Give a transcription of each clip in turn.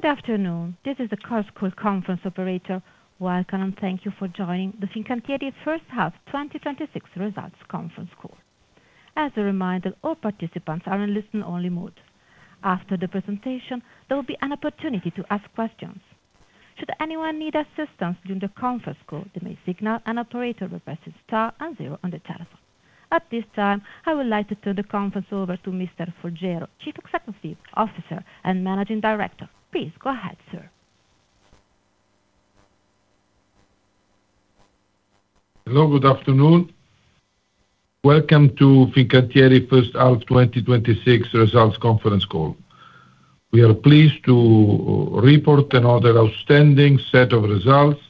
Good afternoon. This is the Chorus Call conference operator. Welcome, thank you for joining the Fincantieri First Half 2026 results conference call. As a reminder, all participants are in listen-only mode. After the presentation, there will be an opportunity to ask questions. Should anyone need assistance during the conference call, they may signal an operator by pressing star and zero on the telephone. At this time, I would like to turn the conference over to Mr. Folgiero, Chief Executive Officer and Managing Director. Please go ahead, sir. Hello, good afternoon. Welcome to Fincantieri's first half 2026 results conference call. We are pleased to report another outstanding set of results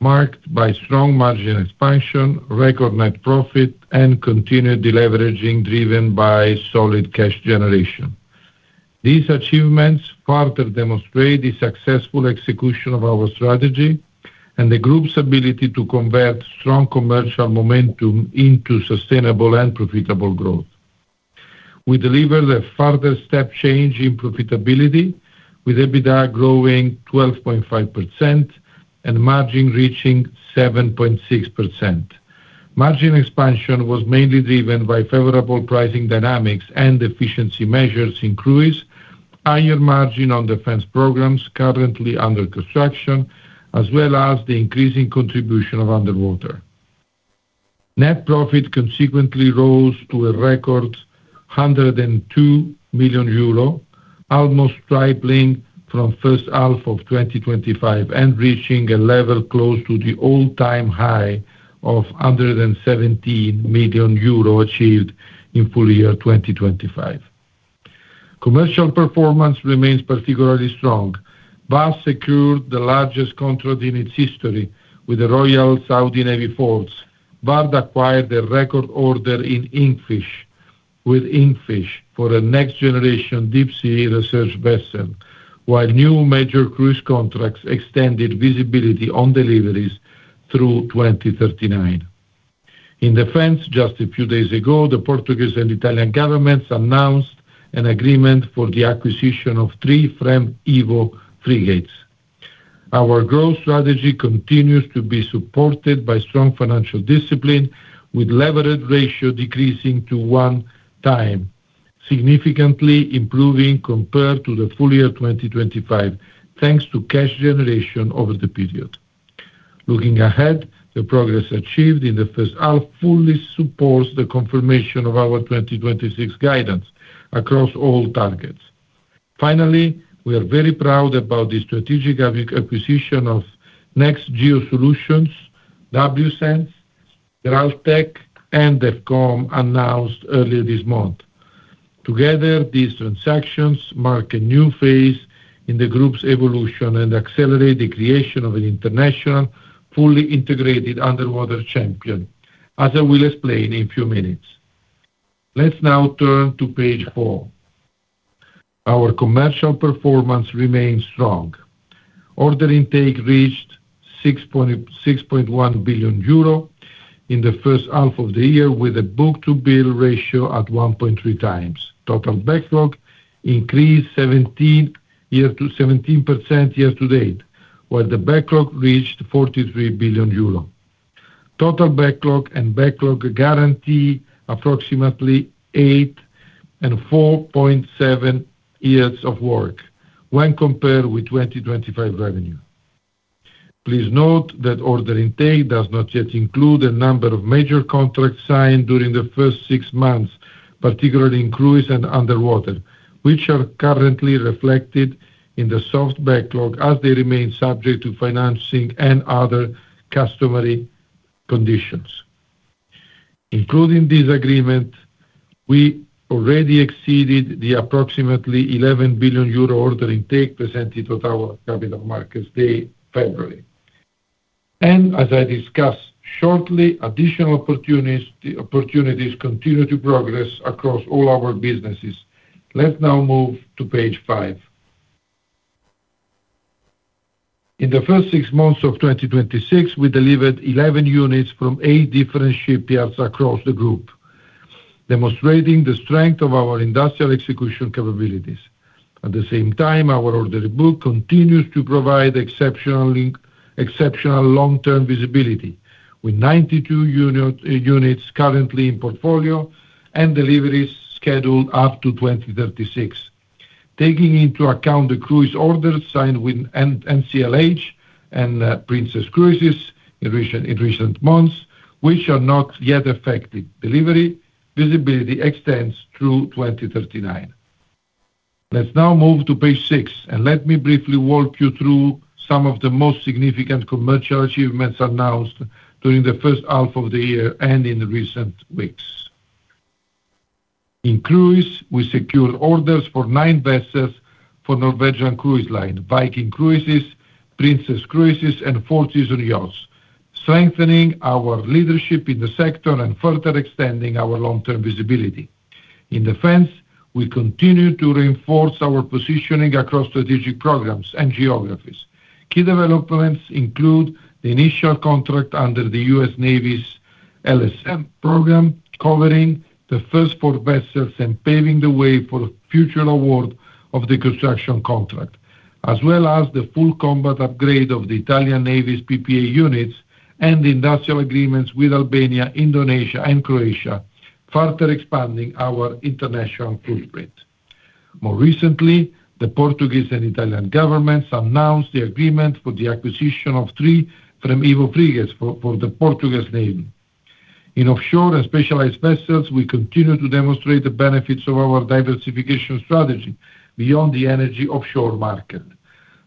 marked by strong margin expansion, record net profit, and continued deleveraging driven by solid cash generation. These achievements further demonstrate the successful execution of our strategy and the group's ability to convert strong commercial momentum into sustainable and profitable growth. We delivered a further step change in profitability, with EBITDA growing 12.5% and margin reaching 7.6%. Margin expansion was mainly driven by favorable pricing dynamics and efficiency measures in cruise, higher margin on defense programs currently under construction, as well as the increasing contribution of Underwater. Net profit consequently rose to a record 102 million euro, almost tripling from first half of 2025 and reaching a level close to the all-time high of 117 million euro achieved in full year 2025. Commercial performance remains particularly strong. Vard secured the largest contract in its history with the Royal Saudi Naval Forces. Vard acquired a record order with Inkfish for a next-generation deep-sea research vessel, while new major cruise contracts extended visibility on deliveries through 2039. In defense, just a few days ago, the Portuguese and Italian governments announced an agreement for the acquisition of three FREMM EVO frigates. Our growth strategy continues to be supported by strong financial discipline, with leverage ratio decreasing to 1.0x, significantly improving compared to the full year 2025, thanks to cash generation over the period. Looking ahead, the progress achieved in the first half fully supports the confirmation of our 2026 guidance across all targets. Finally, we are very proud about the strategic acquisition of Next Geosolutions, WSense, Graal Tech, and Defcomm, announced earlier this month. Together, these transactions mark a new phase in the group's evolution and accelerate the creation of an international, fully integrated underwater champion, as I will explain in a few minutes. Let's now turn to page four. Our commercial performance remains strong. Order intake reached 6.1 billion euro in the first half of the year, with a book-to-bill ratio at 1.3x. Total backlog increased 17% year-to-date, while the backlog reached 43 billion euro. Total backlog and backlog guarantee approximately eight and 4.7 years of work when compared with 2025 revenue. Please note that order intake does not yet include the number of major contracts signed during the first six months, particularly in cruise and underwater, which are currently reflected in the soft backlog as they remain subject to financing and other customary conditions. Including this agreement, we already exceeded the approximately 11 billion euro order intake presented at our Capital Markets Day in February. Additional opportunities continue to progress across all our businesses. Let's now move to page five. In the first six months of 2026, we delivered 11 units from eight different shipyards across the group, demonstrating the strength of our industrial execution capabilities. At the same time, our order book continues to provide exceptional long-term visibility. With 92 units currently in portfolio and deliveries scheduled up to 2036. Taking into account the cruise orders signed with NCLH and Princess Cruises in recent months, which are not yet effective. Delivery visibility extends through 2039. Let's now move to page six, and let me briefly walk you through some of the most significant commercial achievements announced during the first half of the year and in recent weeks. In cruise, we secured orders for nine vessels for Norwegian Cruise Line, Viking Cruises, Princess Cruises, and Four Seasons Yachts, strengthening our leadership in the sector and further extending our long-term visibility. In defense, we continue to reinforce our positioning across strategic programs and geographies. Key developments include the initial contract under the U.S. Navy's LSM program covering the first four vessels and paving the way for the future award of the construction contract, as well as the full combat upgrade of the Italian Navy's PPA units and industrial agreements with Albania, Indonesia, and Croatia, further expanding our international footprint. More recently, the Portuguese and Italian governments announced the agreement for the acquisition of three FREMM EVO frigates for the Portuguese Navy. In offshore and specialized vessels, we continue to demonstrate the benefits of our diversification strategy beyond the energy offshore market.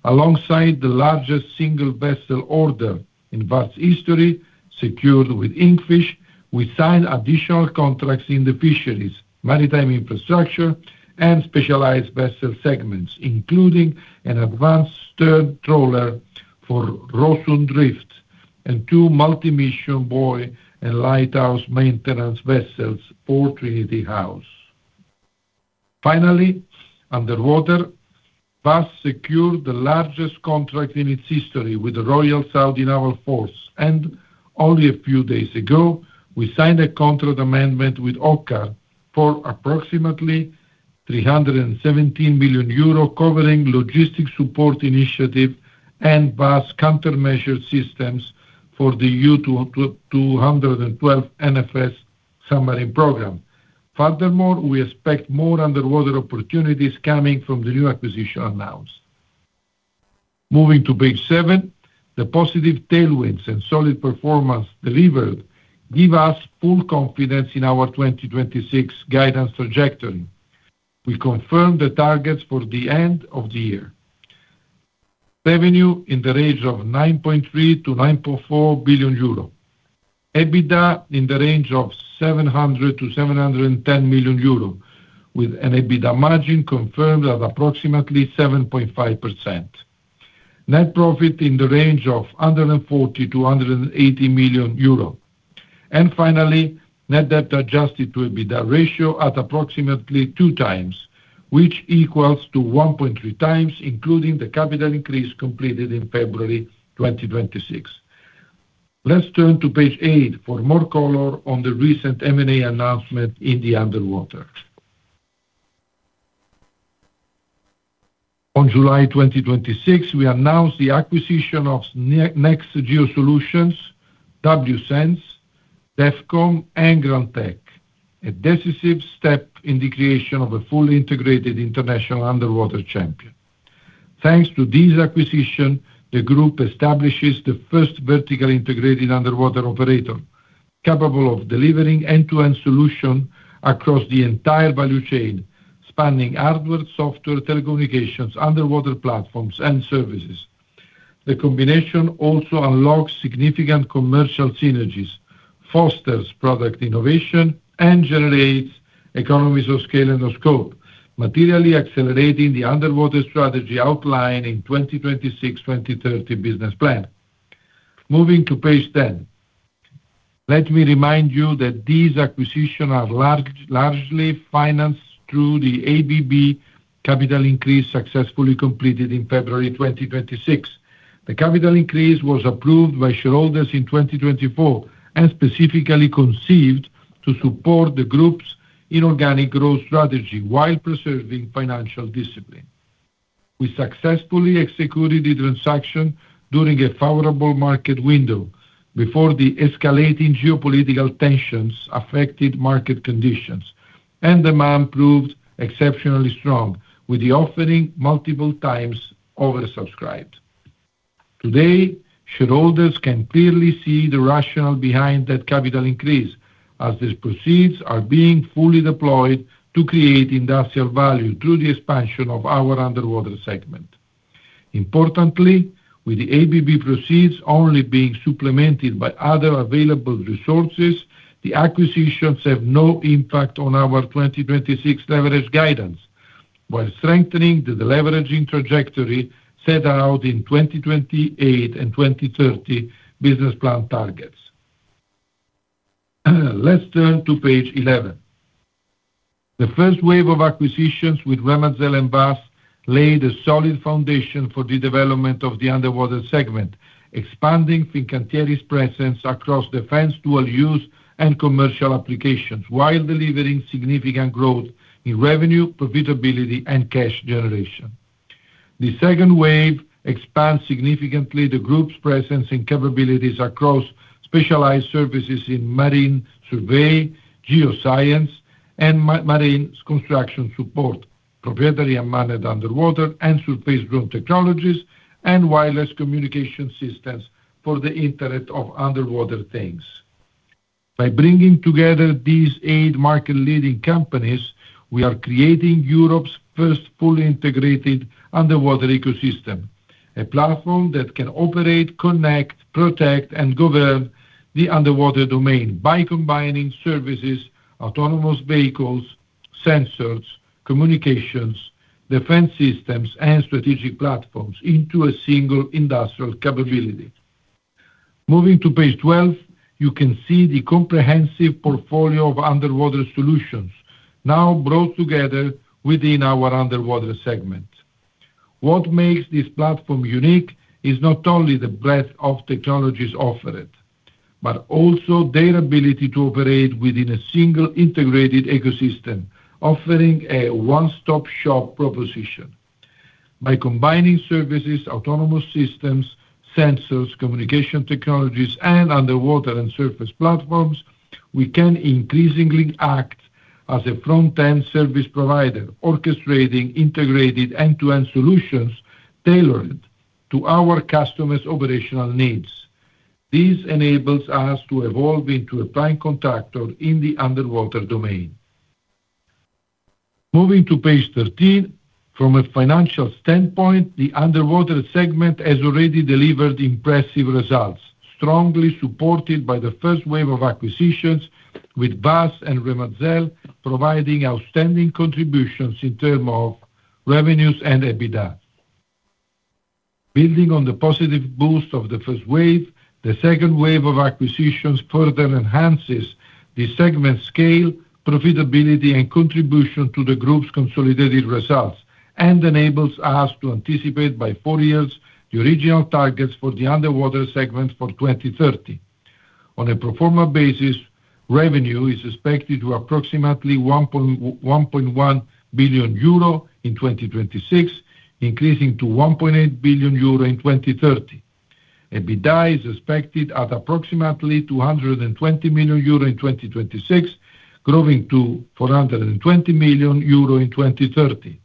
Alongside the largest single vessel order in Vard history, secured with Inkfish, we signed additional contracts in the fisheries, maritime infrastructure, and specialized vessel segments, including an Advanced Stern Trawler for Rosund Drift and two multi-mission Buoy & Lighthouse Maintenance Vessels for Trinity House. Finally, underwater WASS secured the largest contract in its history with the Royal Saudi Naval Forces. Only a few days ago, we signed a contract amendment with OCCAR for approximately 317 million euro, covering logistic support initiative and WASS countermeasure systems for the U212 NFS submarine program. Furthermore, we expect more underwater opportunities coming from the new acquisition announced. Moving to page seven. The positive tailwinds and solid performance delivered give us full confidence in our 2026 guidance trajectory. We confirm the targets for the end of the year. Revenue in the range of 9.3 billion-9.4 billion euro. EBITDA in the range of 700 million-710 million euro, with an EBITDA margin confirmed at approximately 7.5%. Net profit in the range of 140 million-180 million euro. Finally, net debt adjusted to EBITDA ratio at approximately 2x, which equals to 1.3x, including the capital increase completed in February 2026. Let's turn to page eight for more color on the recent M&A announcement in the underwater. On July 2026, we announced the acquisition of Next Geosolutions, WSense, Defcomm, and Graal Tech, a decisive step in the creation of a fully integrated international underwater champion. Thanks to this acquisition, the group establishes the first vertical integrated underwater operator, capable of delivering end-to-end solution across the entire value chain, spanning hardware, software, telecommunications, underwater platforms, and services. The combination also unlocks significant commercial synergies, fosters product innovation, and generates economies of scale and of scope, materially accelerating the underwater strategy outlined in 2026/2030 business plan. Moving to page 10. Let me remind you that these acquisitions are largely financed through the ABB capital increase successfully completed in February 2026. The capital increase was approved by shareholders in 2024 and specifically conceived to support the group's inorganic growth strategy while preserving financial discipline. We successfully executed the transaction during a favorable market window before the escalating geopolitical tensions affected market conditions. Demand proved exceptionally strong, with the offering multiple times oversubscribed. Today, shareholders can clearly see the rationale behind that capital increase, as the proceeds are being fully deployed to create industrial value through the expansion of our Underwater segment. Importantly, with the ABB proceeds only being supplemented by other available resources, the acquisitions have no impact on our 2026 leverage guidance, while strengthening the deleveraging trajectory set out in 2028 and 2030 business plan targets. Let's turn to page 11. The first wave of acquisitions with Remazel and WASS laid a solid foundation for the development of the Underwater segment, expanding Fincantieri's presence across defense, dual use, and commercial applications, while delivering significant growth in revenue, profitability, and cash generation. The second wave expands significantly the group's presence and capabilities across specialized services in marine survey, geoscience, and marine construction support, proprietary unmanned underwater and surface drone technologies, and wireless communication systems for the Internet of Underwater Things. By bringing together these eight market-leading companies, we are creating Europe's first fully integrated underwater ecosystem, a platform that can operate, connect, protect, and govern the Underwater domain by combining services, autonomous vehicles, sensors, communications, defense systems, and strategic platforms into a single industrial capability. Moving to page 12, you can see the comprehensive portfolio of underwater solutions now brought together within our Underwater segment. What makes this platform unique is not only the breadth of technologies offered, but also their ability to operate within a single integrated ecosystem, offering a one-stop shop proposition. By combining services, autonomous systems, sensors, communication technologies, and underwater and surface platforms, we can increasingly act as a front-end service provider, orchestrating integrated end-to-end solutions tailored to our customers' operational needs. This enables us to evolve into a prime contractor in the Underwater domain. Moving to page 13. From a financial standpoint, the Underwater segment has already delivered impressive results, strongly supported by the first wave of acquisitions with WASS and Remazel providing outstanding contributions in term of revenues and EBITDA. Building on the positive boost of the first wave, the second wave of acquisitions further enhances the segment's scale, profitability, and contribution to the group's consolidated results, and enables us to anticipate by four years the original targets for the Underwater segment for 2030. On a pro forma basis, revenue is expected to approximately 1.1 billion euro in 2026, increasing to 1.8 billion euro in 2030. EBITDA is expected at approximately 220 million euro in 2026, growing to 420 million euro in 2030.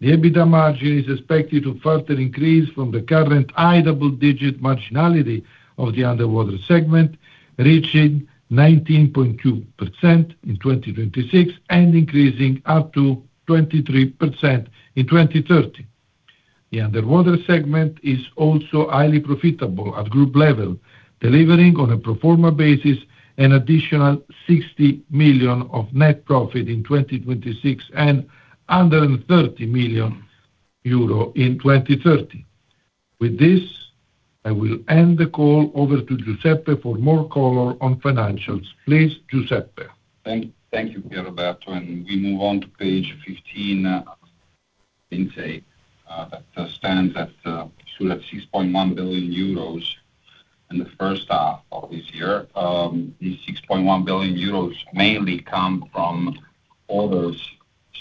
The EBITDA margin is expected to further increase from the current high double-digit marginality of the Underwater segment, reaching 19.2% in 2026 and increasing up to 23% in 2030. The Underwater segment is also highly profitable at group level, delivering on a pro forma basis an additional 60 million of net profit in 2026 and 130 million euro in 2030. With this, I will hand the call over to Giuseppe for more color on financials. Please, Giuseppe. Thank you, Pierroberto. We move on to page 15. Fincantieri stands at 6.1 billion euros in the first half of this year. These 6.1 billion euros mainly come from orders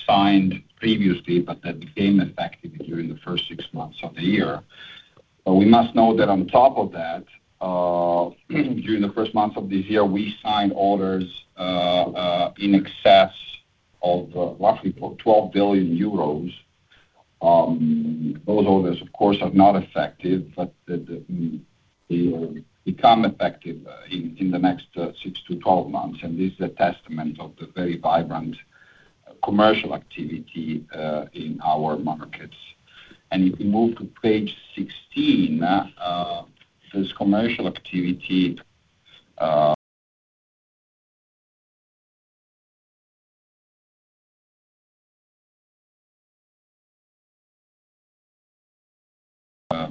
signed previously, but that became effective during the first six months of the year. We must know that on top of that, during the first month of this year, we signed orders in excess of roughly 12 billion euros. Those orders, of course, are not effective, but they will become effective in the next six to 12 months. This is a testament of the very vibrant commercial activity in our markets. If we move to page 16, this commercial activity,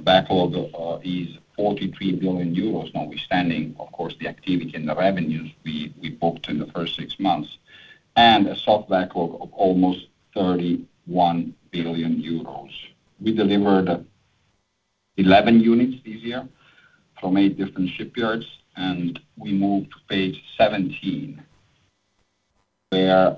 backlog is 43 billion euros notwithstanding, of course, the activity and the revenues we booked in the first six months, and a soft backlog of almost 31 billion euros. We delivered 11 units this year from eight different shipyards. We move to page 17, where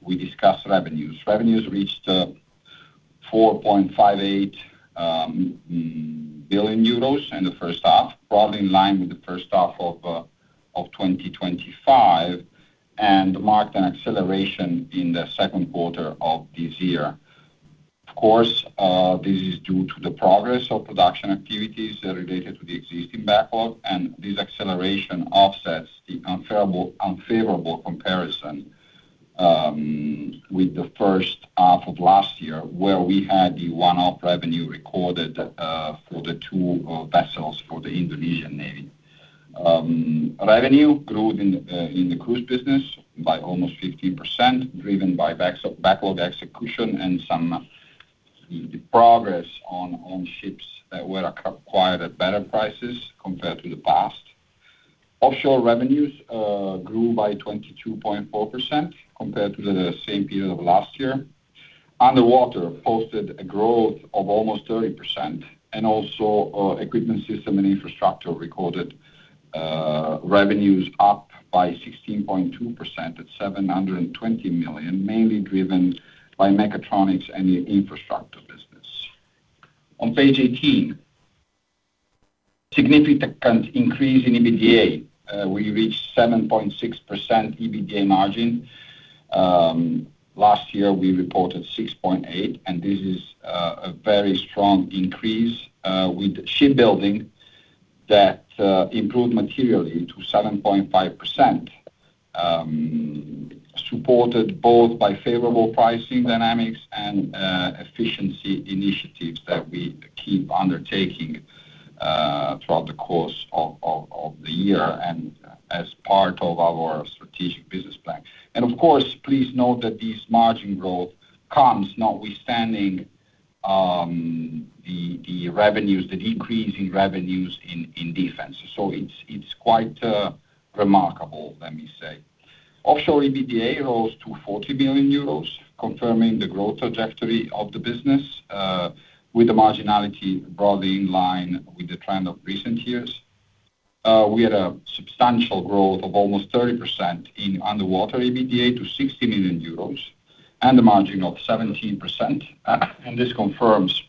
we discuss revenues. Revenues reached 4.58 billion euros in the first half, broadly in line with the first half of 2025, and marked an acceleration in the second quarter of this year. Of course, this is due to the progress of production activities related to the existing backlog, and this acceleration offsets the unfavorable comparison with the first half of last year, where we had the one-off revenue recorded for the two vessels for the Indonesian Navy. Revenue growth in the cruise business by almost 15%, driven by backlog execution and some progress on ships that were acquired at better prices compared to the past. Offshore revenues grew by 22.4% compared to the same period of last year. Underwater posted a growth of almost 30%. Also Equipment, Systems and Infrastructure recorded revenues up by 16.2% at 720 million, mainly driven by mechatronics and the infrastructure business. On page 18, significant increase in EBITDA. We reached 7.6% EBITDA margin. Last year, we reported 6.8%, and this is a very strong increase with shipbuilding that improved materially to 7.5%, supported both by favorable pricing dynamics and efficiency initiatives that we keep undertaking throughout the course of the year and as part of our strategic business plan. Of course, please note that this margin growth comes notwithstanding the decrease in revenues in Defense. It's quite remarkable, let me say Offshore EBITDA rose to 40 million euros, confirming the growth trajectory of the business with the marginality broadly in line with the trend of recent years. We had a substantial growth of almost 30% in Underwater EBITDA to 60 million euros and a margin of 17%. This confirms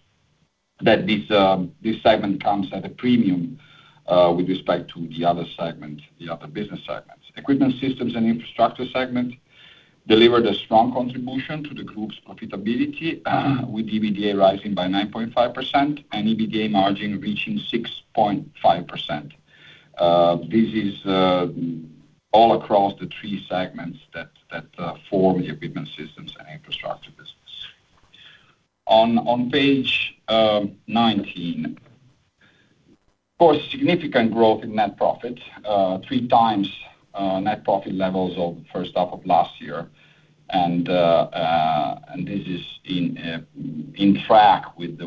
that this segment comes at a premium with respect to the other business segments. Equipment, Systems and Infrastructure segment delivered a strong contribution to the group's profitability with EBITDA rising by 9.5% and EBITDA margin reaching 6.5%. This is all across the three segments that form the Equipment, Systems and Infrastructure business. On page 19. Of course, significant growth in net profit, 3x net profit levels of the first half of last year. This is on track with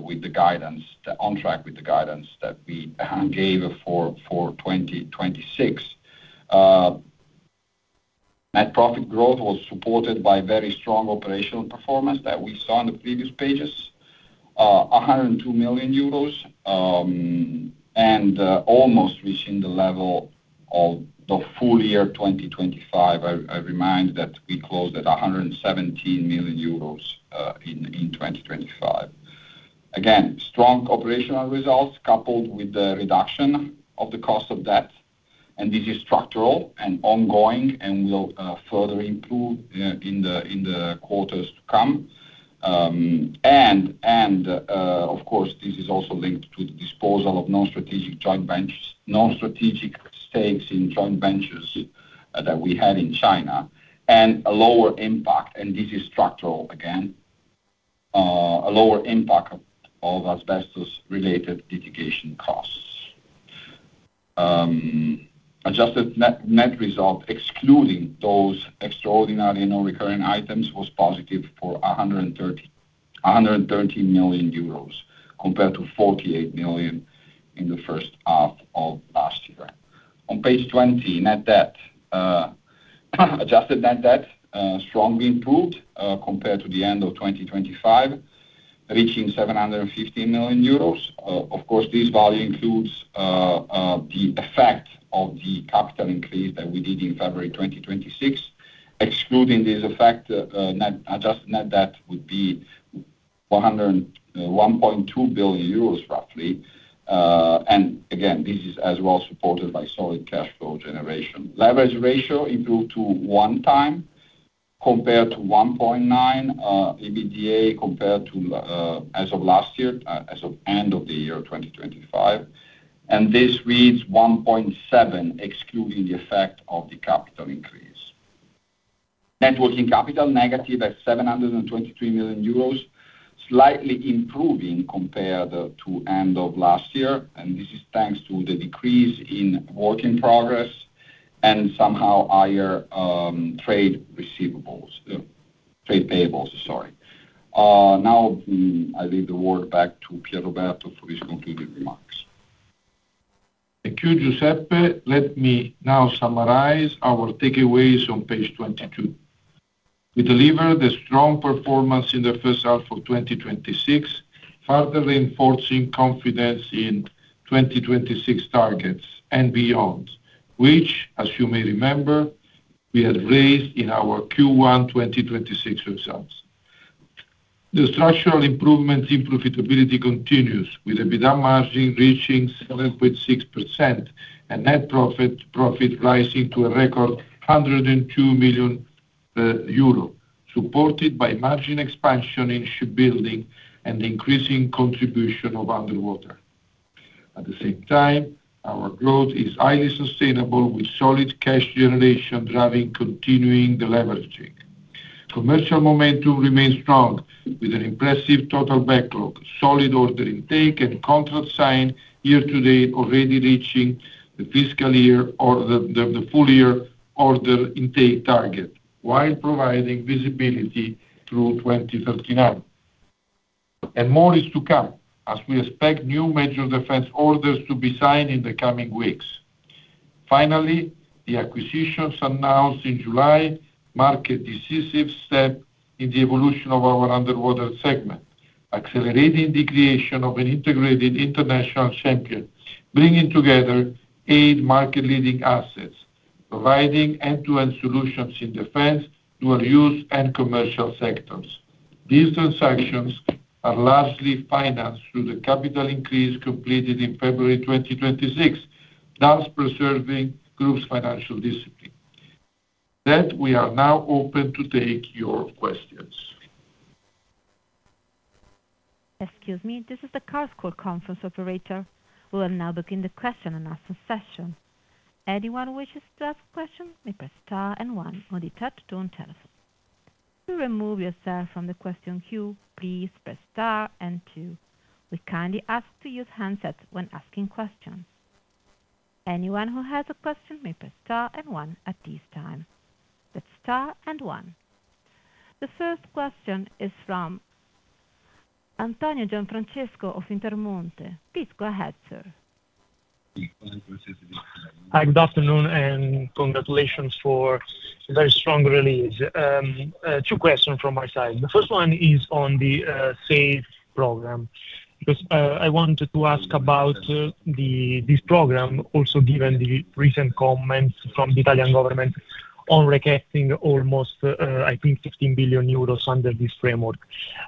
the guidance that we gave for 2026. Net profit growth was supported by very strong operational performance that we saw on the previous pages, 102 million euros, and almost reaching the level of the full year 2025. I remind that we closed at 117 million euros in 2025. Strong operational results coupled with the reduction of the cost of debt. This is structural and ongoing and will further improve in the quarters to come. This is also linked to the disposal of non-strategic stakes in joint ventures that we had in China. A lower impact, and this is structural again, a lower impact of asbestos-related litigation costs. Adjusted net result, excluding those extraordinary non-recurring items, was positive for 113 million euros compared to 48 million in the first half of last year. On page 20, net debt. Adjusted net debt strongly improved, compared to the end of 2025, reaching 750 million euros. Of course, this value includes the effect of the capital increase that we did in February 2026. Excluding this effect, adjusted net debt would be 101.2 billion euros roughly. This is as well supported by solid cash flow generation. Leverage ratio improved to one time compared to 1.9x EBITDA as of last year, as of end of the year 2025. This reads 1.7x excluding the effect of the capital increase. Net working capital negative at 723 million euros, slightly improving compared to end of last year. This is thanks to the decrease in work in progress and somehow higher trade payables. I leave the word back to Pierroberto for his concluding remarks. Thank you, Giuseppe. Let me now summarize our takeaways on page 22. We delivered a strong performance in the first half of 2026, further reinforcing confidence in 2026 targets and beyond, which, as you may remember, we had raised in our Q1 2026 results. The structural improvement in profitability continues, with EBITDA margin reaching 7.6% and net profit rising to a record 102 million euro, supported by margin expansion in shipbuilding and increasing contribution of Underwater. At the same time, our growth is highly sustainable, with solid cash generation driving continuing deleveraging. Commercial momentum remains strong, with an impressive total backlog, solid order intake and contract sign year to date already reaching the full year order intake target, while providing visibility through 2039. More is to come, as we expect new major defense orders to be signed in the coming weeks. The acquisitions announced in July mark a decisive step in the evolution of our Underwater segment, accelerating the creation of an integrated international champion, bringing together eight market-leading assets, providing end-to-end solutions in defense, dual use, and commercial sectors. These transactions are largely financed through the capital increase completed in February 2026, thus preserving group's financial discipline. We are now open to take your questions. Excuse me, this is the Chorus Call conference operator. We will now begin the question and answer session. Anyone who wishes to ask a question may press star and one on the touch-tone telephone. To remove yourself from the question queue, please press star and two. We kindly ask to use handsets when asking questions. Anyone who has a question may press star and one at this time. Press star and one. The first question is from Antonio Gianfrancesco of Intermonte. Please go ahead, sir. Hi. Good afternoon, and congratulations for a very strong release. Two questions from my side. The first one is on the SAFE program, because I wanted to ask about this program, also given the recent comments from the Italian government on requesting almost, I think, 15 billion euros under this framework.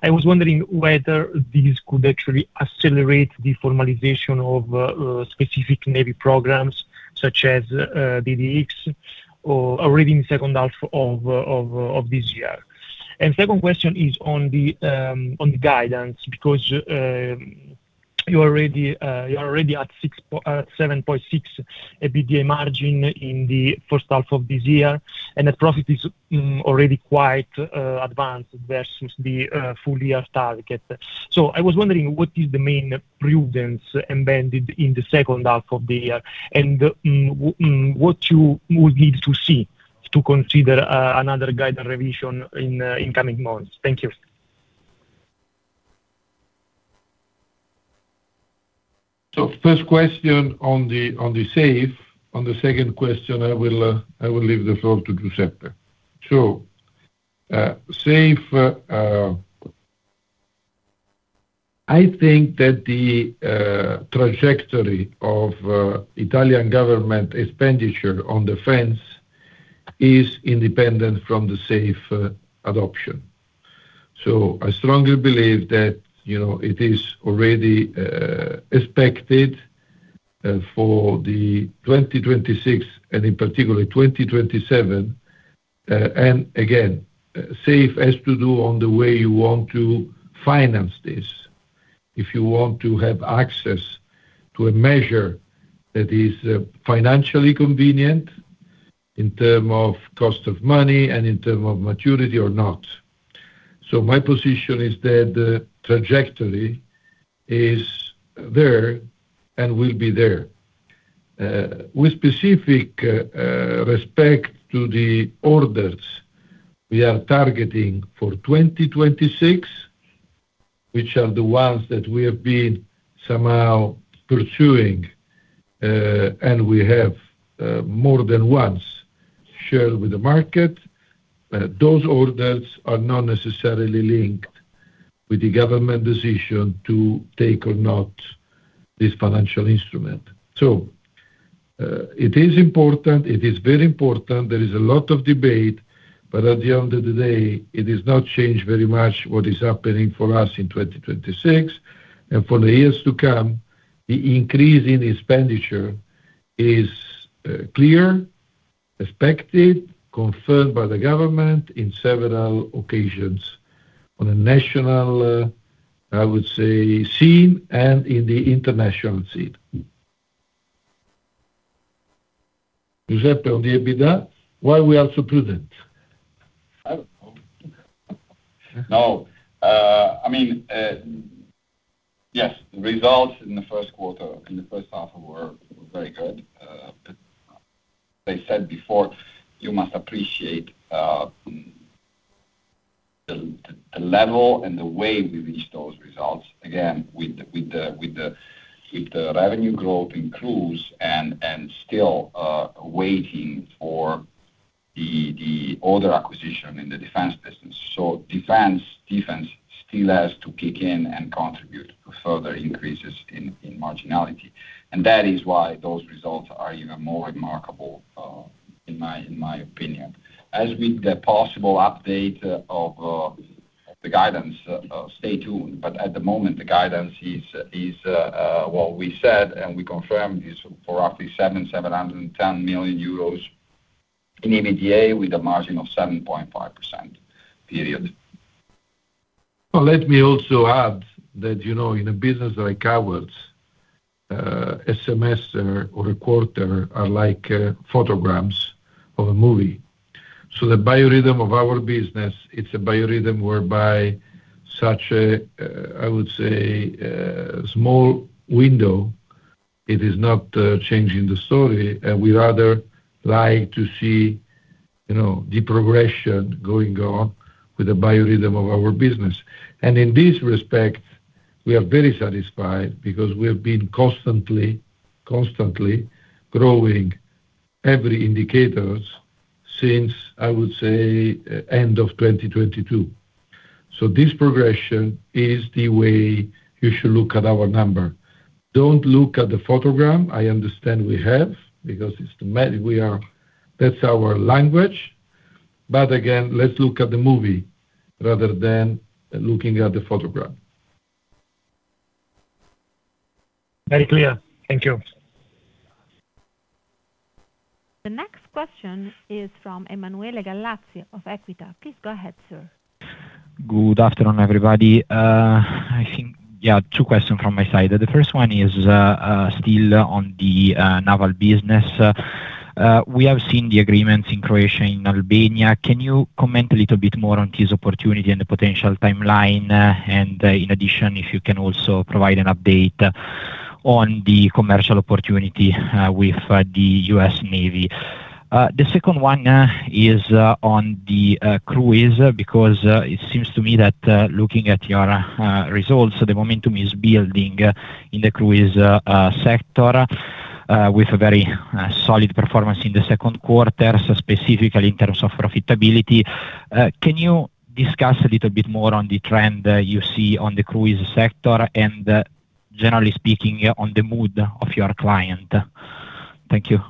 I was wondering whether this could actually accelerate the formalization of specific navy programs such as DDX or already in the second half of this year. Second question is on the guidance, because you are already at 7.6% EBITDA margin in the first half of this year, and the profit is already quite advanced versus the full year target. I was wondering what is the main prudence embedded in the second half of the year, and what you would need to see to consider another guidance revision in coming months. Thank you. First question on the SAFE. On the second question, I will leave the floor to Giuseppe. SAFE, I think that the trajectory of Italian government expenditure on defense is independent from the SAFE adoption. I strongly believe that it is already expected for 2026 and in particular 2027. Again, SAFE has to do on the way you want to finance this. If you want to have access to a measure that is financially convenient in terms of cost of money and in terms of maturity or not. My position is that the trajectory is there and will be there. With specific respect to the orders we are targeting for 2026, which are the ones that we have been somehow pursuing, and we have more than once shared with the market. It is important, it is very important. There is a lot of debate, at the end of the day, it has not changed very much what is happening for us in 2026 and for the years to come. The increase in expenditure is clear, expected, confirmed by the government in several occasions on a national, I would say, scene and in the international scene. Giuseppe, on the EBITDA, why we are so prudent? Now, yes, the results in the first quarter, in the first half were very good. As I said before, you must appreciate the level and the way we reached those results. Again, with the revenue growth in cruise and still waiting for the order acquisition in the defense business. Defense still has to kick in and contribute to further increases in marginality. That is why those results are even more remarkable, in my opinion. As with the possible update of the guidance, stay tuned. At the moment, the guidance is what we said, and we confirmed, is for roughly 700-710 million euros in EBITDA with a margin of 7.5%, period. Well, let me also add that, in a business like ours, a semester or a quarter are like photograms of a movie. The biorhythm of our business, it's a biorhythm whereby such, I would say, small window, it is not changing the story. We'd rather like to see the progression going on with the biorhythm of our business. In this respect, we are very satisfied because we have been constantly growing every indicators since, I would say, end of 2022. This progression is the way you should look at our number. Don't look at the photogram. I understand we have because that's our language. Again, let's look at the movie rather than looking at the photogram. Very clear. Thank you. The next question is from Emanuele Gallazzi of Equita. Please go ahead, sir. Good afternoon, everybody. I think, yeah, two questions from my side. The first one is still on the naval business. We have seen the agreements in Croatia, in Albania. Can you comment a little bit more on this opportunity and the potential timeline? In addition, if you can also provide an update on the commercial opportunity with the U.S. Navy. The second one now is on the cruise, because it seems to me that looking at your results, the momentum is building in the cruise sector with a very solid performance in the second quarter, so specifically in terms of profitability. Can you discuss a little bit more on the trend that you see on the cruise sector and generally speaking, on the mood of your client? Thank you.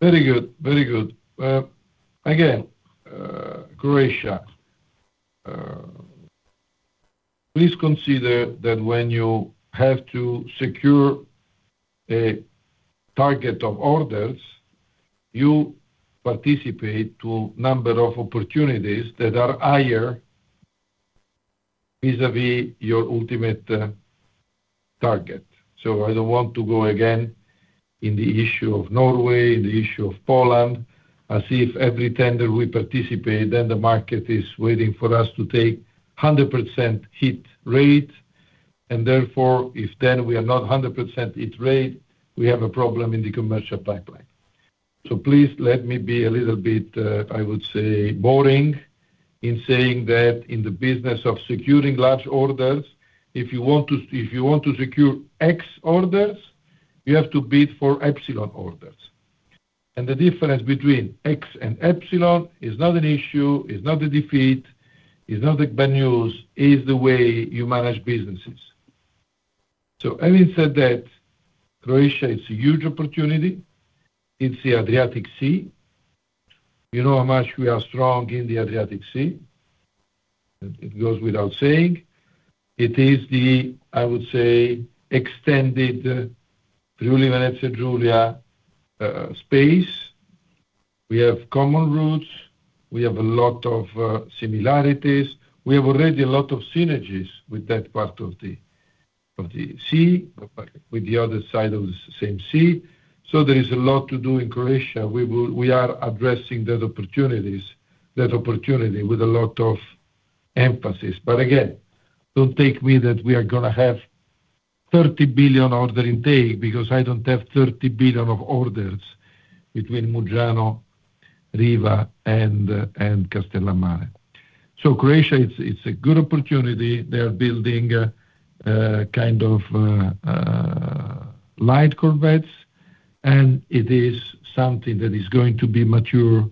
Very good. Again, Croatia. Please consider that when you have to secure a target of orders, you participate to number of opportunities that are higher vis-a-vis your ultimate target. I don't want to go again in the issue of Norway, in the issue of Poland, as if every tender we participate, then the market is waiting for us to take 100% hit rate and therefore, if then we are not 100% hit rate, we have a problem in the commercial pipeline. Please let me be a little bit, I would say, boring in saying that in the business of securing large orders, if you want to secure X orders, you have to bid for epsilon orders. The difference between X and epsilon is not an issue, is not a defeat, is not bad news, is the way you manage businesses. Having said that, Croatia, it's a huge opportunity. It's the Adriatic Sea. You know how much we are strong in the Adriatic Sea. It goes without saying. It is the, I would say, extended Trieste-Venezia Giulia space. We have common roots. We have a lot of similarities. We have already a lot of synergies with that part of the sea, with the other side of the same sea. There is a lot to do in Croatia. We are addressing that opportunity with a lot of emphasis. Again, don't think me that we are going to have 30 billion order intake because I don't have 30 billion of orders between Muggiano, Riva, and Castellammare. Croatia, it's a good opportunity. They are building a kind of light corvettes, and it is something that is going to be mature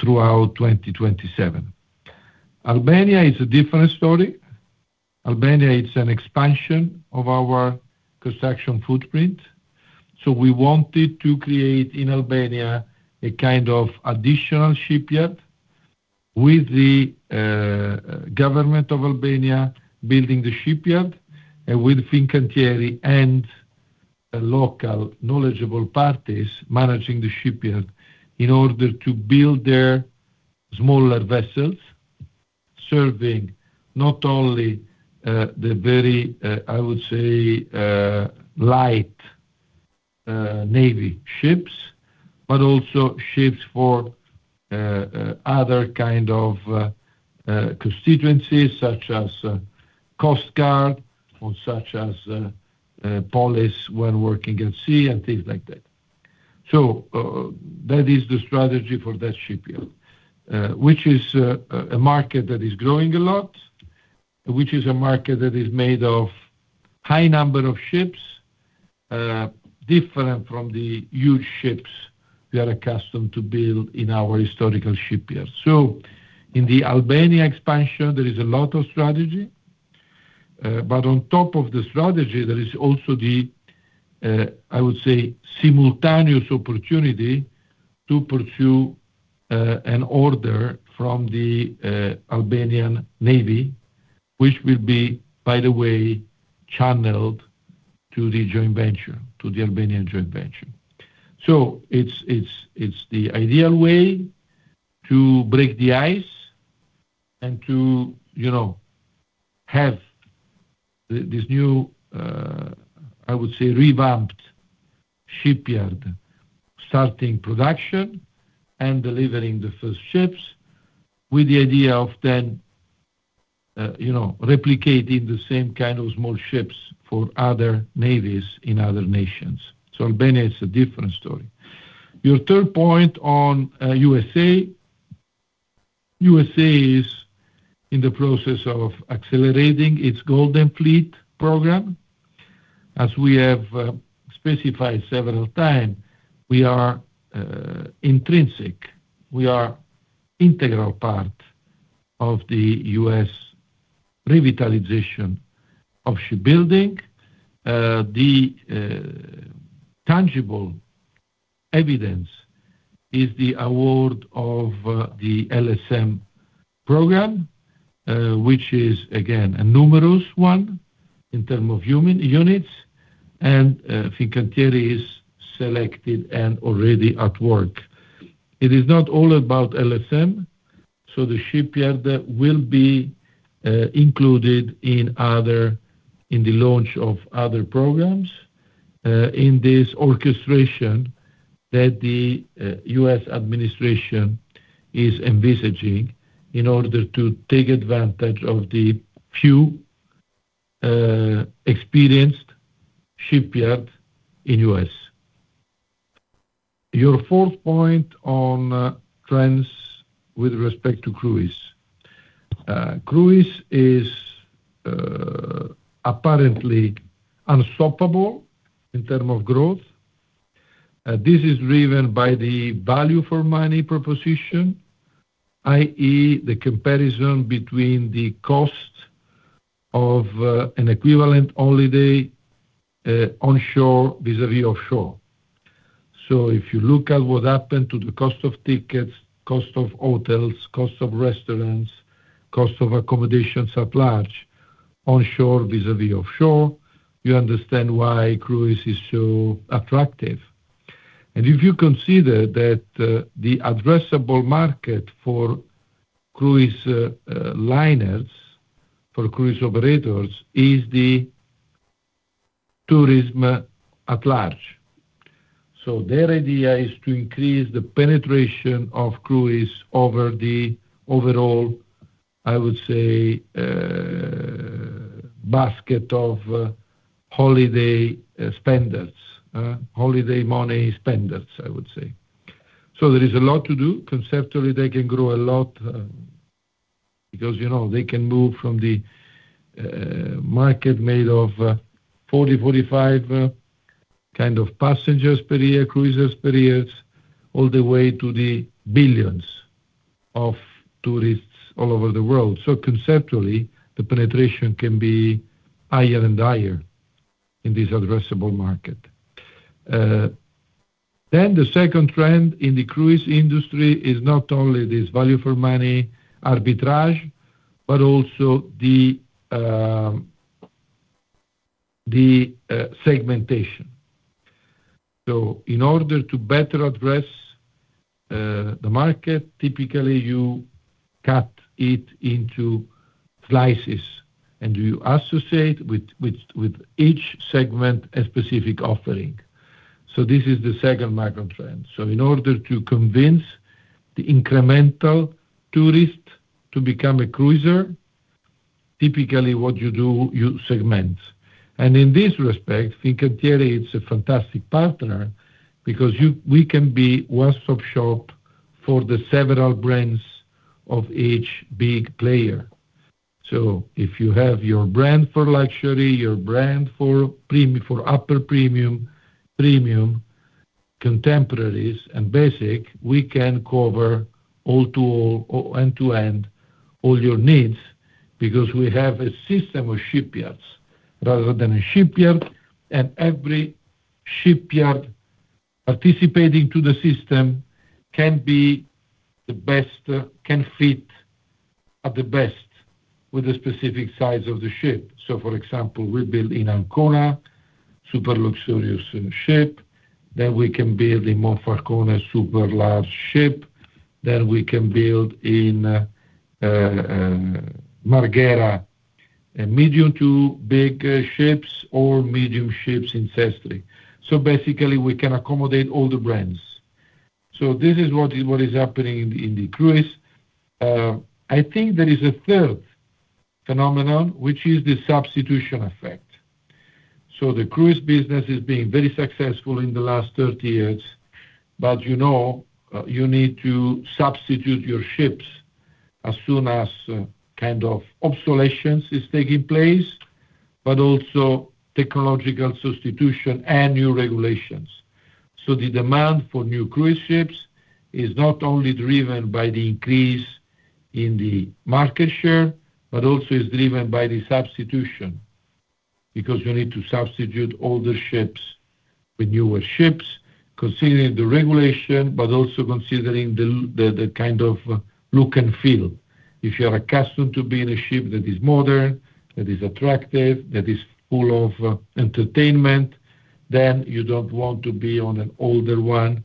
throughout 2027. Albania is a different story. Albania. It's an expansion of our construction footprint. We wanted to create in Albania a kind of additional shipyard with the Government of Albania building the shipyard and with Fincantieri and local knowledgeable parties managing the shipyard in order to build their smaller vessels, serving not only the very, I would say, light navy ships, but also ships for other kind of constituencies such as Coast Guard or such as police when working in sea and things like that. That is the strategy for that shipyard, which is a market that is growing a lot, which is a market that is made of high number of ships, different from the huge ships we are accustomed to build in our historical shipyards. In the Albania expansion, there is a lot of strategy. On top of the strategy, there is also the, I would say, simultaneous opportunity to pursue an order from the Albanian Navy, which will be, by the way, channeled to the joint venture, to the Albanian joint venture. It's the ideal way to break the ice and to have this new, I would say, revamped shipyard starting production and delivering the first ships with the idea of then replicating the same kind of small ships for other navies in other nations. Albania is a different story. Your third point on USA. USA is in the process of accelerating its Golden Fleet program. As we have specified several times, we are intrinsic, we are integral part of the U.S. revitalization of shipbuilding. The tangible evidence is the award of the LSM program, which is, again, a numerous one in terms of units, and Fincantieri is selected and already at work. It is not all about LSM. The shipyard will be included in the launch of other programs, in this orchestration that the U.S. administration is envisaging in order to take advantage of the few experienced shipyards in U.S. Your fourth point on trends with respect to cruise. Cruise is apparently unstoppable in terms of growth. This is driven by the value for money proposition, i.e., the comparison between the cost of an equivalent holiday onshore vis-a-vis offshore. If you look at what happened to the cost of tickets, cost of hotels, cost of restaurants, cost of accommodation at large onshore vis-a-vis offshore, you understand why cruise is so attractive. If you consider that the addressable market for cruise liners, for cruise operators, is the tourism at large. Their idea is to increase the penetration of cruise over the overall, I would say, basket of holiday spenders. Holiday money spenders, I would say. There is a lot to do. Conceptually, they can grow a lot, because they can move from the market made of 40, 45 kind of passengers per year, cruisers per year, all the way to the billions of tourists all over the world. Conceptually, the penetration can be higher and higher in this addressable market. The second trend in the cruise industry is not only this value for money arbitrage, but also the segmentation. In order to better address the market, typically you cut it into slices and you associate with each segment a specific offering. This is the second macro trend. In order to convince the incremental tourist to become a cruiser, typically what you do, you segment. In this respect, Fincantieri is a fantastic partner because we can be one-stop shop for the several brands of each big player. If you have your brand for luxury, your brand for upper premium, contemporaries, and basic, we can cover end-to-end all your needs because we have a system of shipyards rather than a shipyard. Every shipyard participating to the system can fit the best with the specific size of the ship. For example, we build in Ancona, super luxurious ship. We can build in Monfalcone, super large ship. We can build in Marghera, medium to big ships or medium ships in Sestri. Basically, we can accommodate all the brands. This is what is happening in the cruise. I think there is a third phenomenon, which is the substitution effect. The cruise business is being very successful in the last 30 years, but you need to substitute your ships as soon as kind of obsolescence is taking place, but also technological substitution and new regulations. The demand for new cruise ships is not only driven by the increase in the market share, but also is driven by the substitution, because you need to substitute older ships with newer ships, considering the regulation, but also considering the kind of look and feel. If you are accustomed to be in a ship that is modern, that is attractive, that is full of entertainment, then you don't want to be on an older one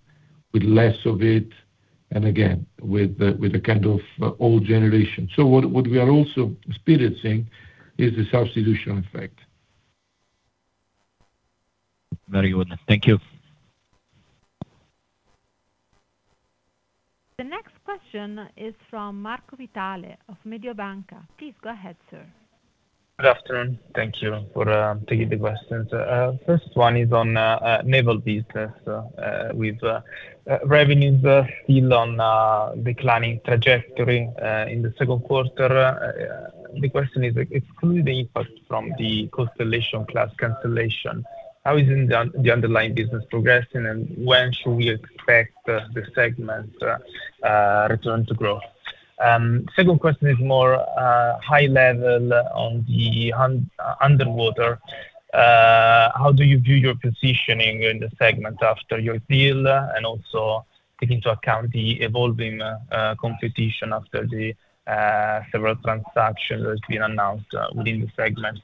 with less of it, and again, with a kind of old generation. What we are also experiencing is the substitution effect. Very well then. Thank you. The next question is from Marco Vitale of Mediobanca. Please go ahead, sir. Good afternoon. Thank you for taking the questions. First one is on naval business with revenues still on a declining trajectory in the second quarter. The question is, excluding the impact from the Constellation class cancellation, how is the underlying business progressing and when should we expect the segment return to growth? Second question is more high level on the underwater. How do you view your positioning in the segment after your deal, and also take into account the evolving competition after the several transactions that have been announced within the segment.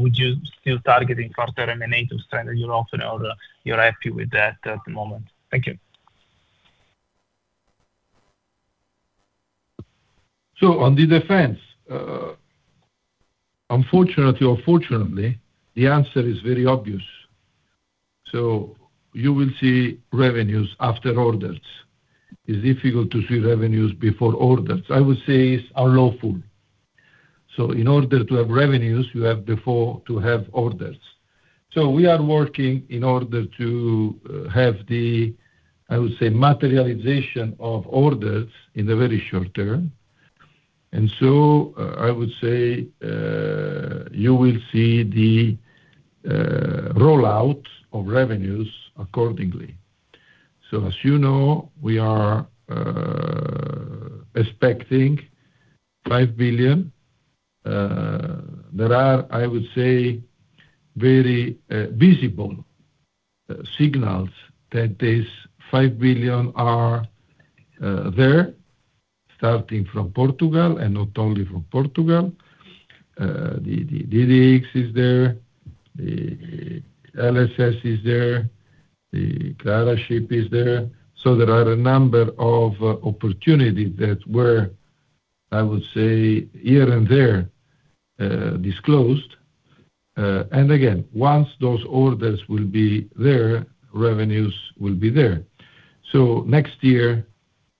Would you still targeting faster than the native trend that you offered or you're happy with that at the moment? Thank you. On the defense, unfortunately or fortunately, the answer is very obvious. You will see revenues after orders. It's difficult to see revenues before orders. I would say it's unlawful. In order to have revenues, you have before to have orders. We are working in order to have the, I would say, materialization of orders in the very short term. I would say, you will see the rollout of revenues accordingly. As you know, we are expecting 5 billion. There are, I would say, very visible signals that these 5 billion are there, starting from Portugal and not only from Portugal. The DDX is there, the LSS is there, the Clara Ship is there. There are a number of opportunities that were, I would say, here and there, disclosed. Again, once those orders will be there, revenues will be there. Next year,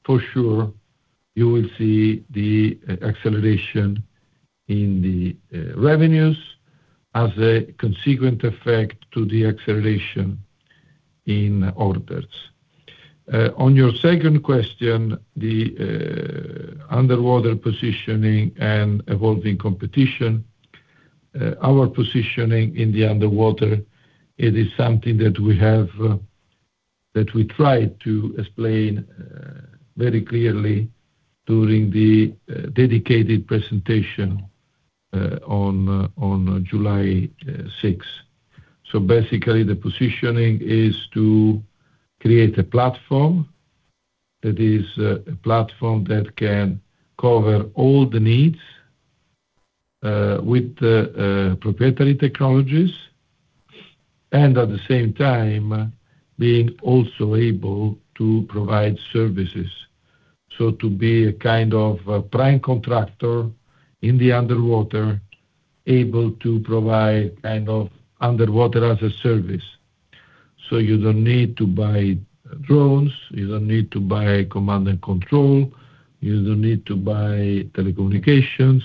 for sure, you will see the acceleration in the revenues as a consequent effect to the acceleration in orders. On your second question, the underwater positioning and evolving competition. Our positioning in the underwater, it is something that we try to explain very clearly during the dedicated presentation on July 6. Basically, the positioning is to create a platform, that is a platform that can cover all the needs with proprietary technologies, and at the same time, being also able to provide services. To be a kind of prime contractor in the underwater, able to provide underwater-as-a-service. You don't need to buy drones, you don't need to buy command and control, you don't need to buy telecommunications,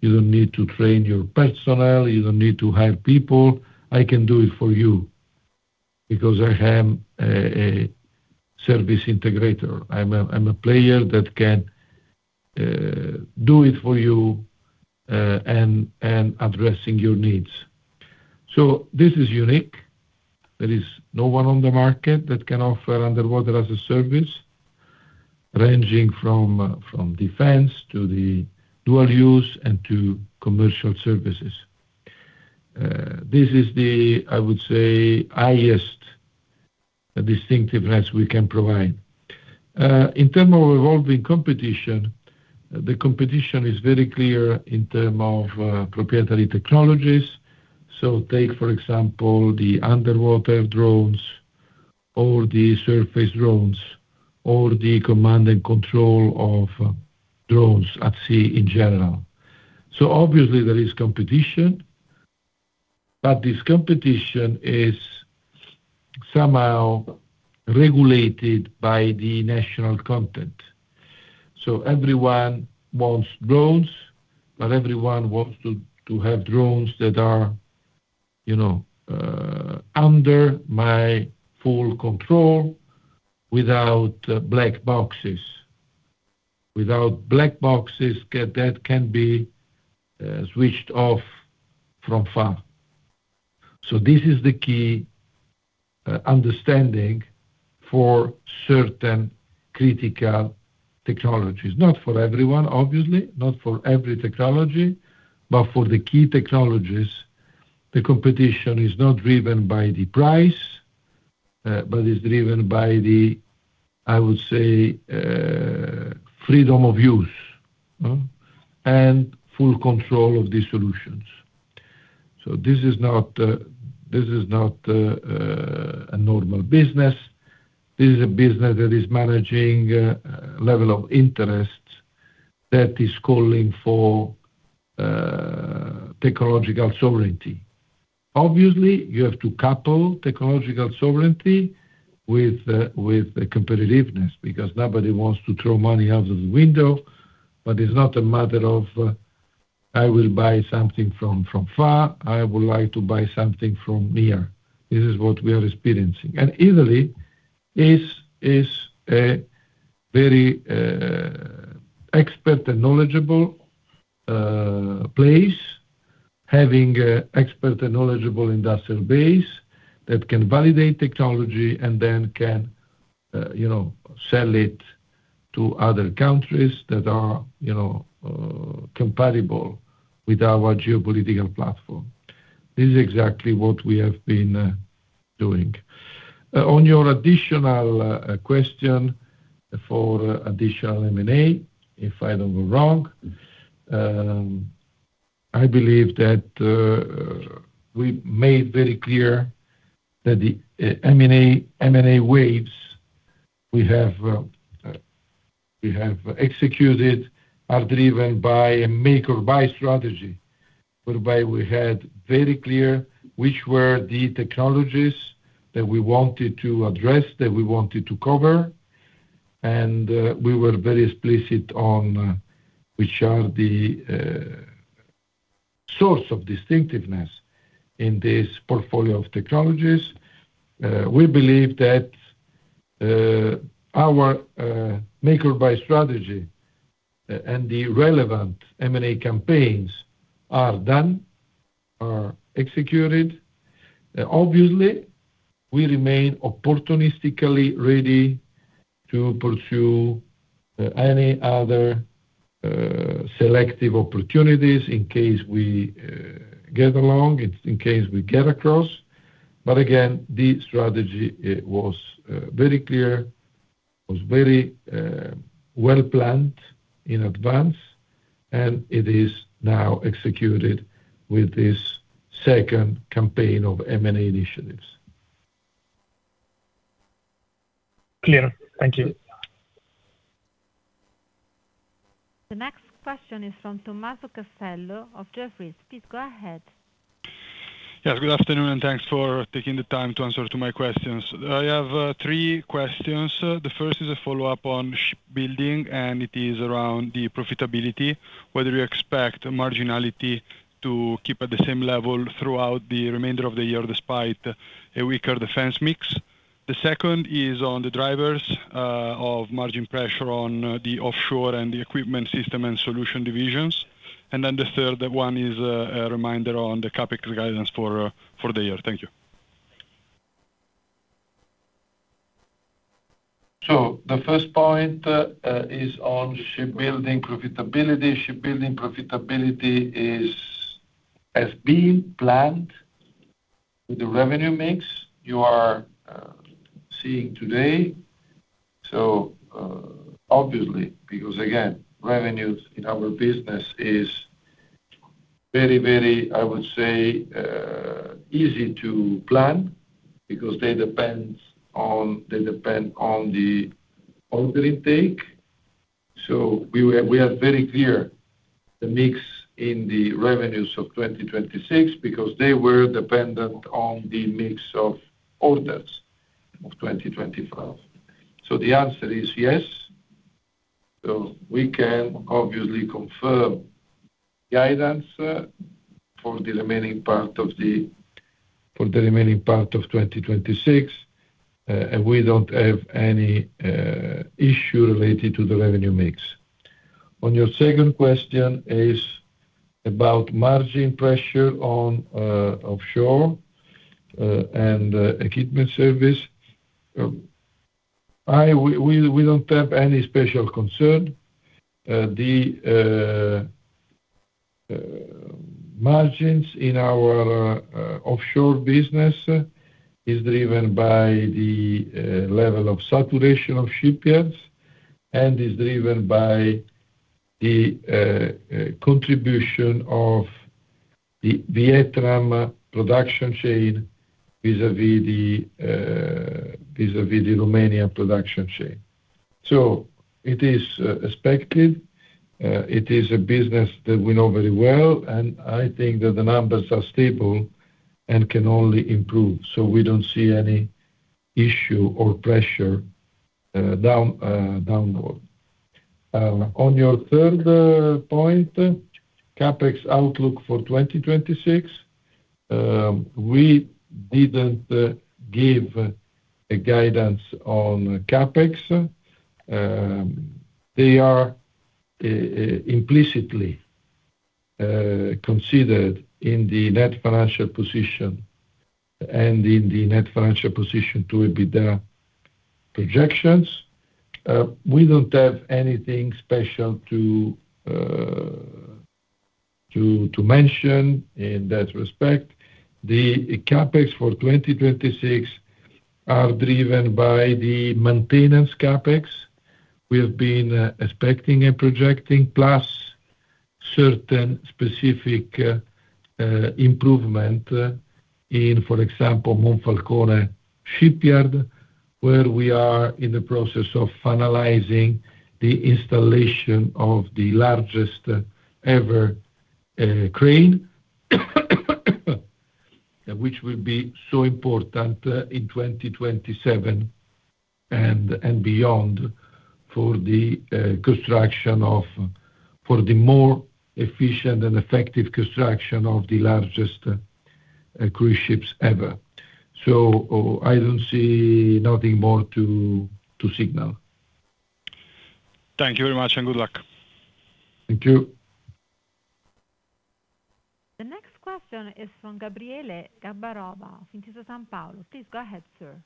you don't need to train your personnel, you don't need to hire people. I can do it for you because I am a service integrator. I'm a player that can do it for you and addressing your needs. This is unique. There is no one on the market that can offer underwater-as-a-service, ranging from defense to the dual use and to commercial services. This is the, I would say, highest distinctiveness we can provide. In terms of evolving competition, the competition is very clear in terms of proprietary technologies. Take, for example, the underwater drones or the surface drones, or the command and control of drones at sea in general. Obviously there is competition, but this competition is somehow regulated by the national content. Everyone wants drones, but everyone wants to have drones that are under my full control without black boxes, that can be switched off from far. This is the key understanding for certain critical technologies. Not for everyone, obviously, not for every technology, but for the key technologies, the competition is not driven by the price, but is driven by the, I would say, freedom of use and full control of the solutions. This is not a normal business. This is a business that is managing a level of interest that is calling for technological sovereignty. Obviously, you have to couple technological sovereignty with competitiveness, because nobody wants to throw money out of the window. It's not a matter of, "I will buy something from far. I would like to buy something from near." This is what we are experiencing. Italy is a very expert and knowledgeable place, having expert and knowledgeable industrial base that can validate technology and then can sell it to other countries that are compatible with our geopolitical platform. This is exactly what we have been doing. On your additional question for additional M&A, if I don't go wrong, I believe that we made very clear that the M&A waves we have executed are driven by a make or buy strategy, whereby we had very clear which were the technologies that we wanted to address, that we wanted to cover, and we were very explicit on which are the source of distinctiveness in this portfolio of technologies. We believe that our make or buy strategy and the relevant M&A campaigns are done, are executed. Obviously, we remain opportunistically ready to pursue any other selective opportunities in case we get along, in case we get across. Again, the strategy, it was very clear, it was very well-planned in advance, and it is now executed with this second campaign of M&A initiatives. Clear. Thank you. The next question is from Tommaso Castello of Jefferies. Please go ahead. Yes, good afternoon. Thanks for taking the time to answer to my questions. I have three questions. The first is a follow-up on shipbuilding, and it is around the profitability, whether you expect marginality to keep at the same level throughout the remainder of the year, despite a weaker defense mix. The second is on the drivers of margin pressure on the offshore and the equipment system and solution divisions. The third one is a reminder on the CapEx guidance for the year. Thank you. The first point is on shipbuilding profitability. Shipbuilding profitability has been planned with the revenue mix you are seeing today. Obviously, because again, revenues in our business is very, I would say, easy to plan because they depend on the order intake. We are very clear the mix in the revenues of 2026 because they were dependent on the mix of orders of 2025. The answer is yes. We can obviously confirm guidance for the remaining part of 2026. We don't have any issue related to the revenue mix. On your second question is about margin pressure on offshore and equipment service. We don't have any special concern. The margins in our offshore business is driven by the level of saturation of shipyards and is driven by the contribution of the Vietnam production chain vis-a-vis the Romanian production chain. It is expected. It is a business that we know very well, and I think that the numbers are stable and can only improve. We don't see any issue or pressure downward. On your third point, CapEx outlook for 2026. We didn't give a guidance on CapEx. They are implicitly considered in the net financial position and in the net financial position to EBITDA projections. We don't have anything special to mention in that respect. The CapEx for 2026 are driven by the maintenance CapEx we have been expecting and projecting, plus certain specific improvement in, for example, Monfalcone Shipyard, where we are in the process of finalizing the installation of the largest ever crane, which will be so important in 2027 and beyond for the more efficient and effective construction of the largest cruise ships ever. I don't see nothing more to signal. Thank you very much, good luck. Thank you. The next question is from Gabriele Gambarova, Intesa Sanpaolo. Please go ahead, sir.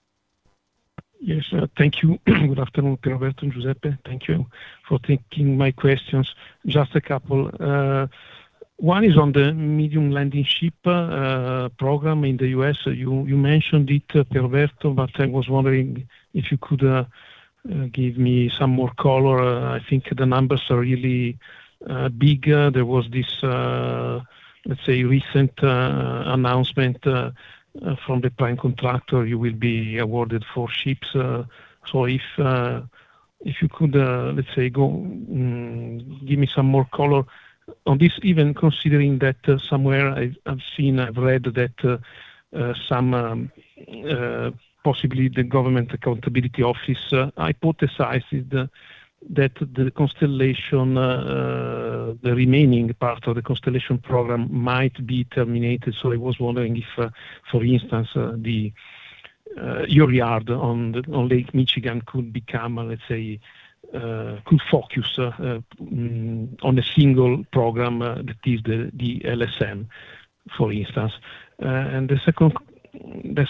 Yes, thank you. Good afternoon, Pierroberto and Giuseppe. Thank you for taking my questions, just a couple. One is on the Medium Landing Ship program in the U.S. You mentioned it, Pierberto, I was wondering if you could give me some more color. I think the numbers are really big. There was this, let's say, recent announcement from the prime contractor, you will be awarded four ships. If you could, let's say, give me some more color on this. Even considering that somewhere I've seen, I've read that possibly the Government Accountability Office hypothesized that the remaining part of the Constellation program might be terminated. I was wondering if, for instance, your yard on Lake Michigan could focus on the single program, that is the LSM, for instance. The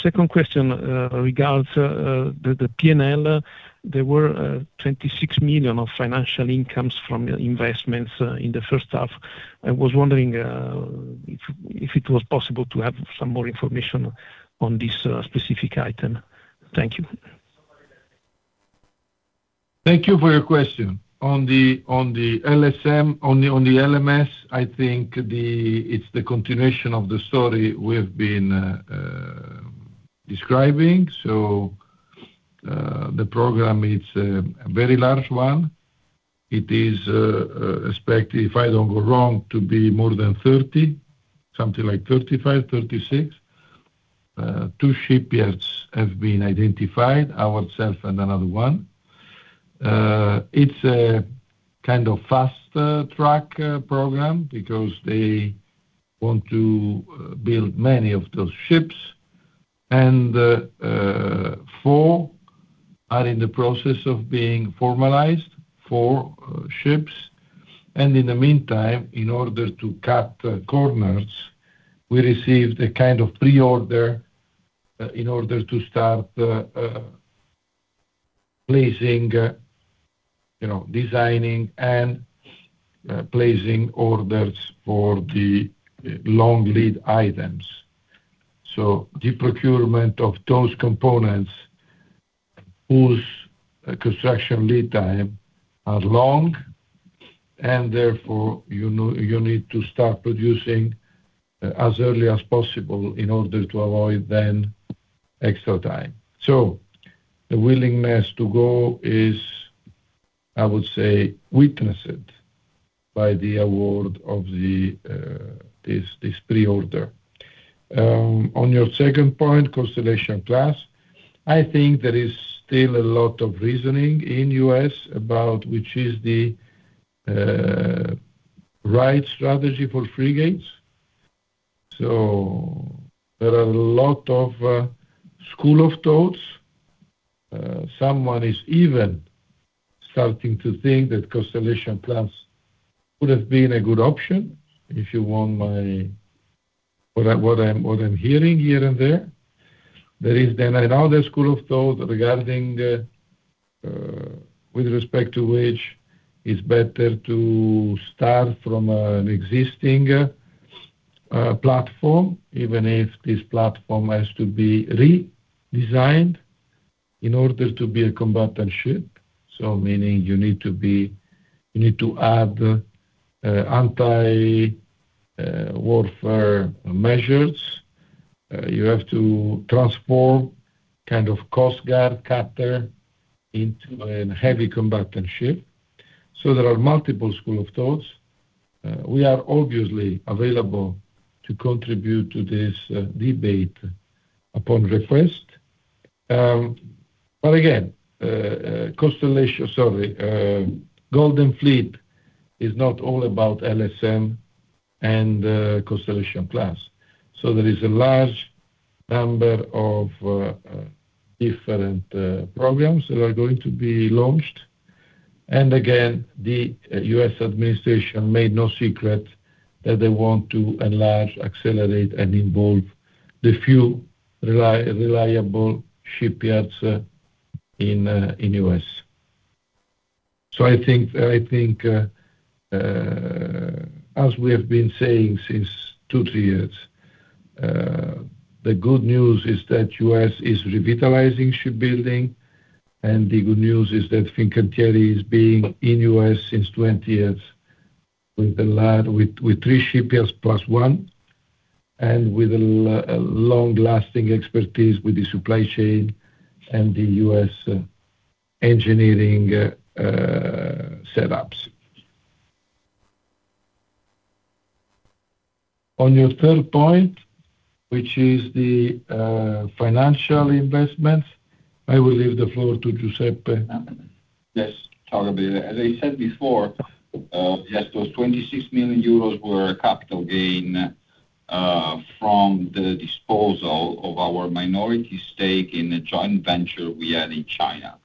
second question regards the P&L. There were 26 million of financial incomes from investments in the first half. I was wondering if it was possible to have some more information on this specific item. Thank you. Thank you for your question. On the LSM, I think it's the continuation of the story we've been describing. The program, it's a very large one. It is expected, if I don't go wrong, to be more than 30, something like 35, 36. Two shipyards have been identified, ourselves and another one. It's a kind of fast track program because they want to build many of those ships and four are in the process of being formalized, four ships. In the meantime, in order to cut corners, we received a kind of pre-order in order to start designing and placing orders for the long lead items. The procurement of those components whose construction lead time are long, and therefore, you need to start producing as early as possible in order to avoid then extra time. The willingness to go is, I would say, witnessed by the award of this pre-order. On your second point, Constellation class, I think there is still a lot of reasoning in U.S. about which is the right strategy for frigates. There are a lot of school of thoughts. Someone is even starting to think that Constellation class would have been a good option, if you want what I'm hearing here and there. There is another school of thought regarding with respect to which is better to start from an existing platform, even if this platform has to be redesigned in order to be a combatant ship. Meaning you need to add anti-warfare measures. You have to transform Coast Guard cutter into a heavy combatant ship. There are multiple school of thoughts. We are obviously available to contribute to this debate upon request. Again, Golden Fleet is not all about LSM and Constellation class. There is a large number of different programs that are going to be launched. Again, the U.S. administration made no secret that they want to enlarge, accelerate, and involve the few reliable shipyards in U.S. I think, as we have been saying since two, three years, the good news is that U.S. is revitalizing shipbuilding, the good news is that Fincantieri is being in U.S. since 20 years with three shipyards plus one, with a long-lasting expertise with the supply chain and the U.S. engineering setups. On your third point, which is the financial investments, I will leave the floor to Giuseppe. Yes, totally. As I said before, yes, those 26 million euros were a capital gain from the disposal of our minority stake in a joint venture we had in China.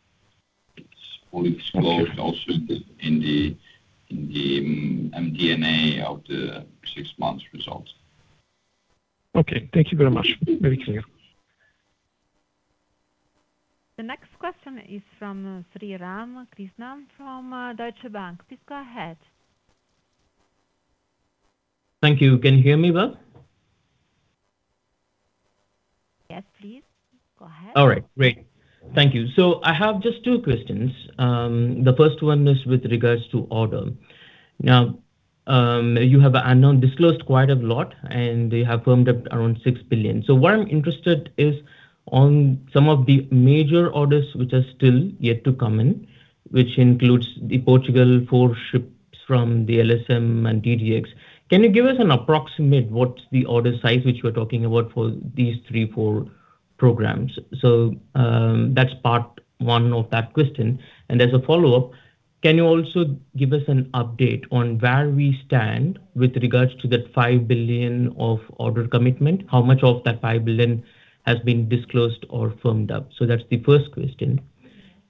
Will be disclosed also in the MD&A of the six months results. Okay. Thank you very much. Very clear. The next question is from Sriram Krishnan from Deutsche Bank. Please go ahead. Thank you. Can you hear me well? Yes, please. Go ahead. All right. Great. Thank you. I have just two questions. The first one is with regards to order. You have disclosed quite a lot, and they have firmed up around 6 billion. What I'm interested is on some of the major orders, which are still yet to come in, which includes the Portugal four ships from the LSM and DDX. Can you give us an approximate what's the order size which you're talking about for these three, four programs? That's part one of that question. As a follow-up, can you also give us an update on where we stand with regards to that 5 billion of order commitment? How much of that 5 billion has been disclosed or firmed up? That's the first question.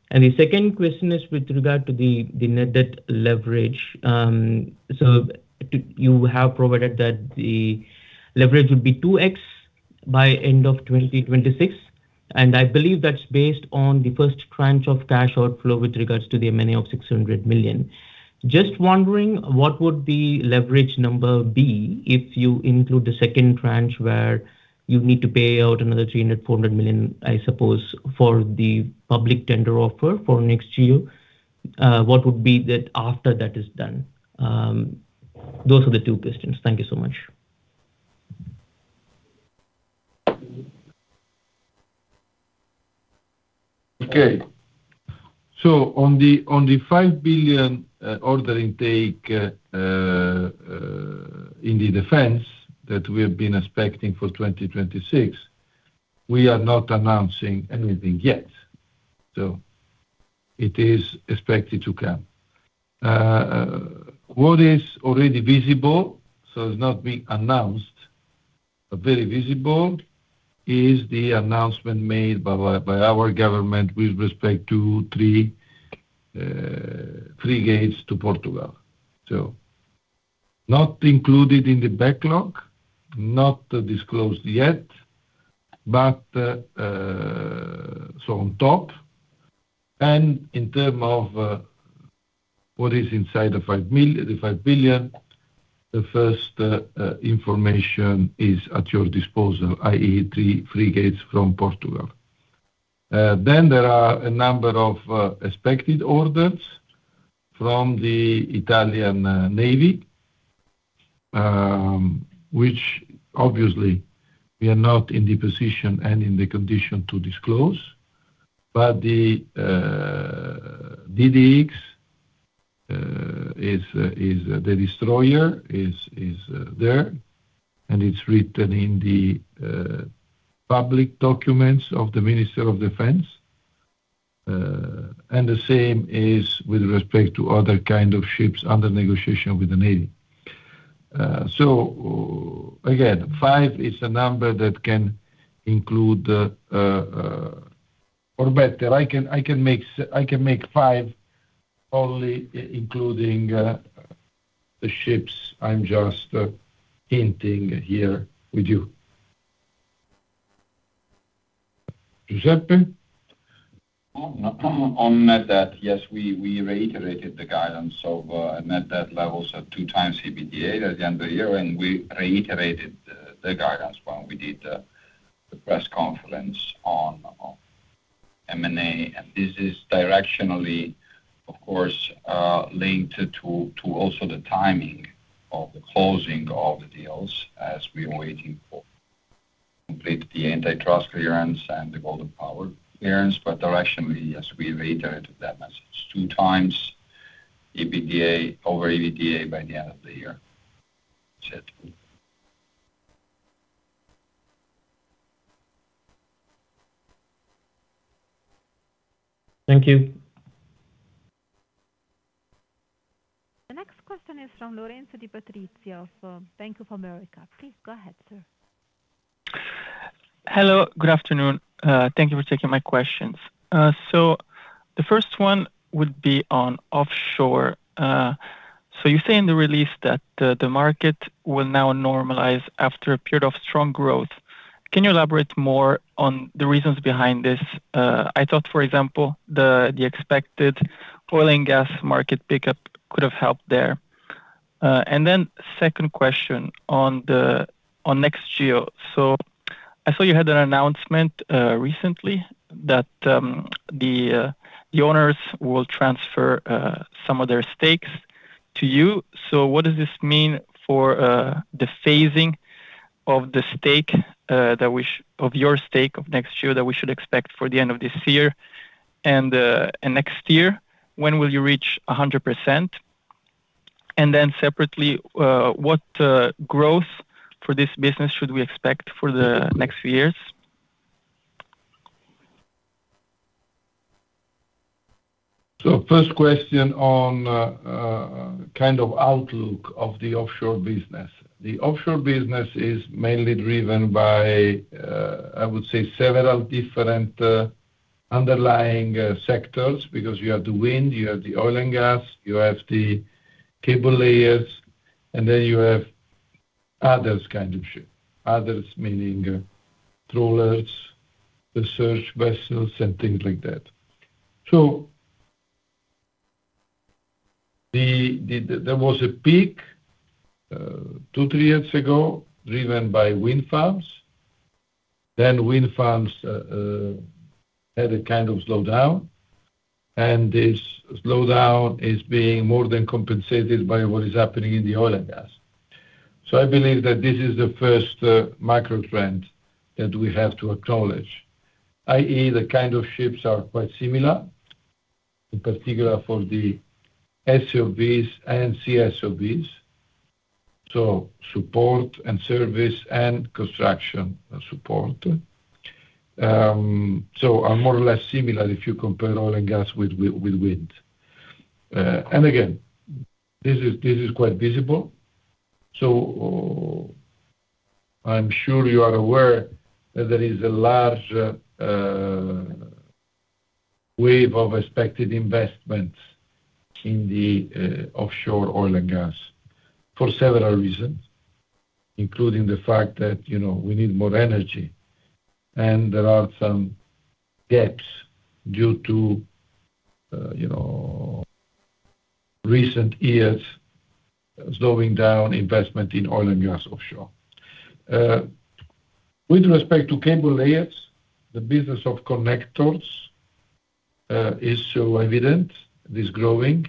The second question is with regard to the net debt leverage. You have provided that the leverage would be 2x by end of 2026, and I believe that's based on the first tranche of cash outflow with regards to the M&A of 600 million. Just wondering, what would the leverage number be if you include the second tranche where you need to pay out another 300 million-400 million, I suppose, for the public tender offer for next year. What would be that after that is done? Those are the two questions. Thank you so much. Okay. On the 5 billion order intake, in the defense that we have been expecting for 2026, we are not announcing anything yet. It is expected to come. What is already visible, it's not being announced, but very visible, is the announcement made by our government with respect to three frigates to Portugal. Not included in the backlog, not disclosed yet. On top and in term of what is inside the 5 billion, the first information is at your disposal, i.e. three frigates from Portugal. There are a number of expected orders from the Italian Navy, which obviously we are not in the position and in the condition to disclose. The DDX, the destroyer, is there, and it's written in the public documents of the Ministry of Defence. The same is with respect to other kind of ships under negotiation with the Navy. Again, five is a number that can include, or better, I can make five only including the ships I'm just hinting here with you. Giuseppe? On net debt, yes, we reiterated the guidance of net debt levels of 2x EBITDA at the end of the year, we reiterated the guidance when we did the press conference on M&A. This is directionally, of course, linked to also the timing of the closing of the deals, as we are waiting for complete the antitrust clearance and the Golden Power clearance. Directionally, yes, we reiterated that message 2x EBITDA over EBITDA by the end of the year. That's it. Thank you. The next question is from Lorenzo Di Patrizi of Bank of America. Please go ahead, sir. Hello, good afternoon. Thank you for taking my questions. The first one would be on offshore. You say in the release that the market will now normalize after a period of strong growth. Can you elaborate more on the reasons behind this? I thought, for example, the expected oil and gas market pickup could have helped there. Second question on Next Geosolutions. I saw you had an announcement recently that the owners will transfer some of their stakes to you. What does this mean for the phasing of your stake of Next Geosolutions that we should expect for the end of this year and next year? When will you reach 100%? Separately, what growth for this business should we expect for the next few years? First question on kind of outlook of the offshore business. The offshore business is mainly driven by, I would say, several different underlying sectors because you have the wind, you have the oil and gas, you have the cable layers, and you have others kind of ship. Others meaning trawlers, research vessels, and things like that. There was a peak two, three years ago driven by wind farms. Wind farms had a kind of slowdown, and this slowdown is being more than compensated by what is happening in the oil and gas. I believe that this is the first micro-trend that we have to acknowledge, i.e., the kind of ships are quite similar, in particular for the SOVs and CSOVs. Support and service and construction support. Are more or less similar if you compare oil and gas with wind. Again, this is quite visible. I'm sure you are aware that there is a large wave of expected investments in the offshore oil and gas for several reasons, including the fact that we need more energy and there are some gaps due to recent years slowing down investment in oil and gas offshore. With respect to cable layers, the business of connectors is so evident, it is growing.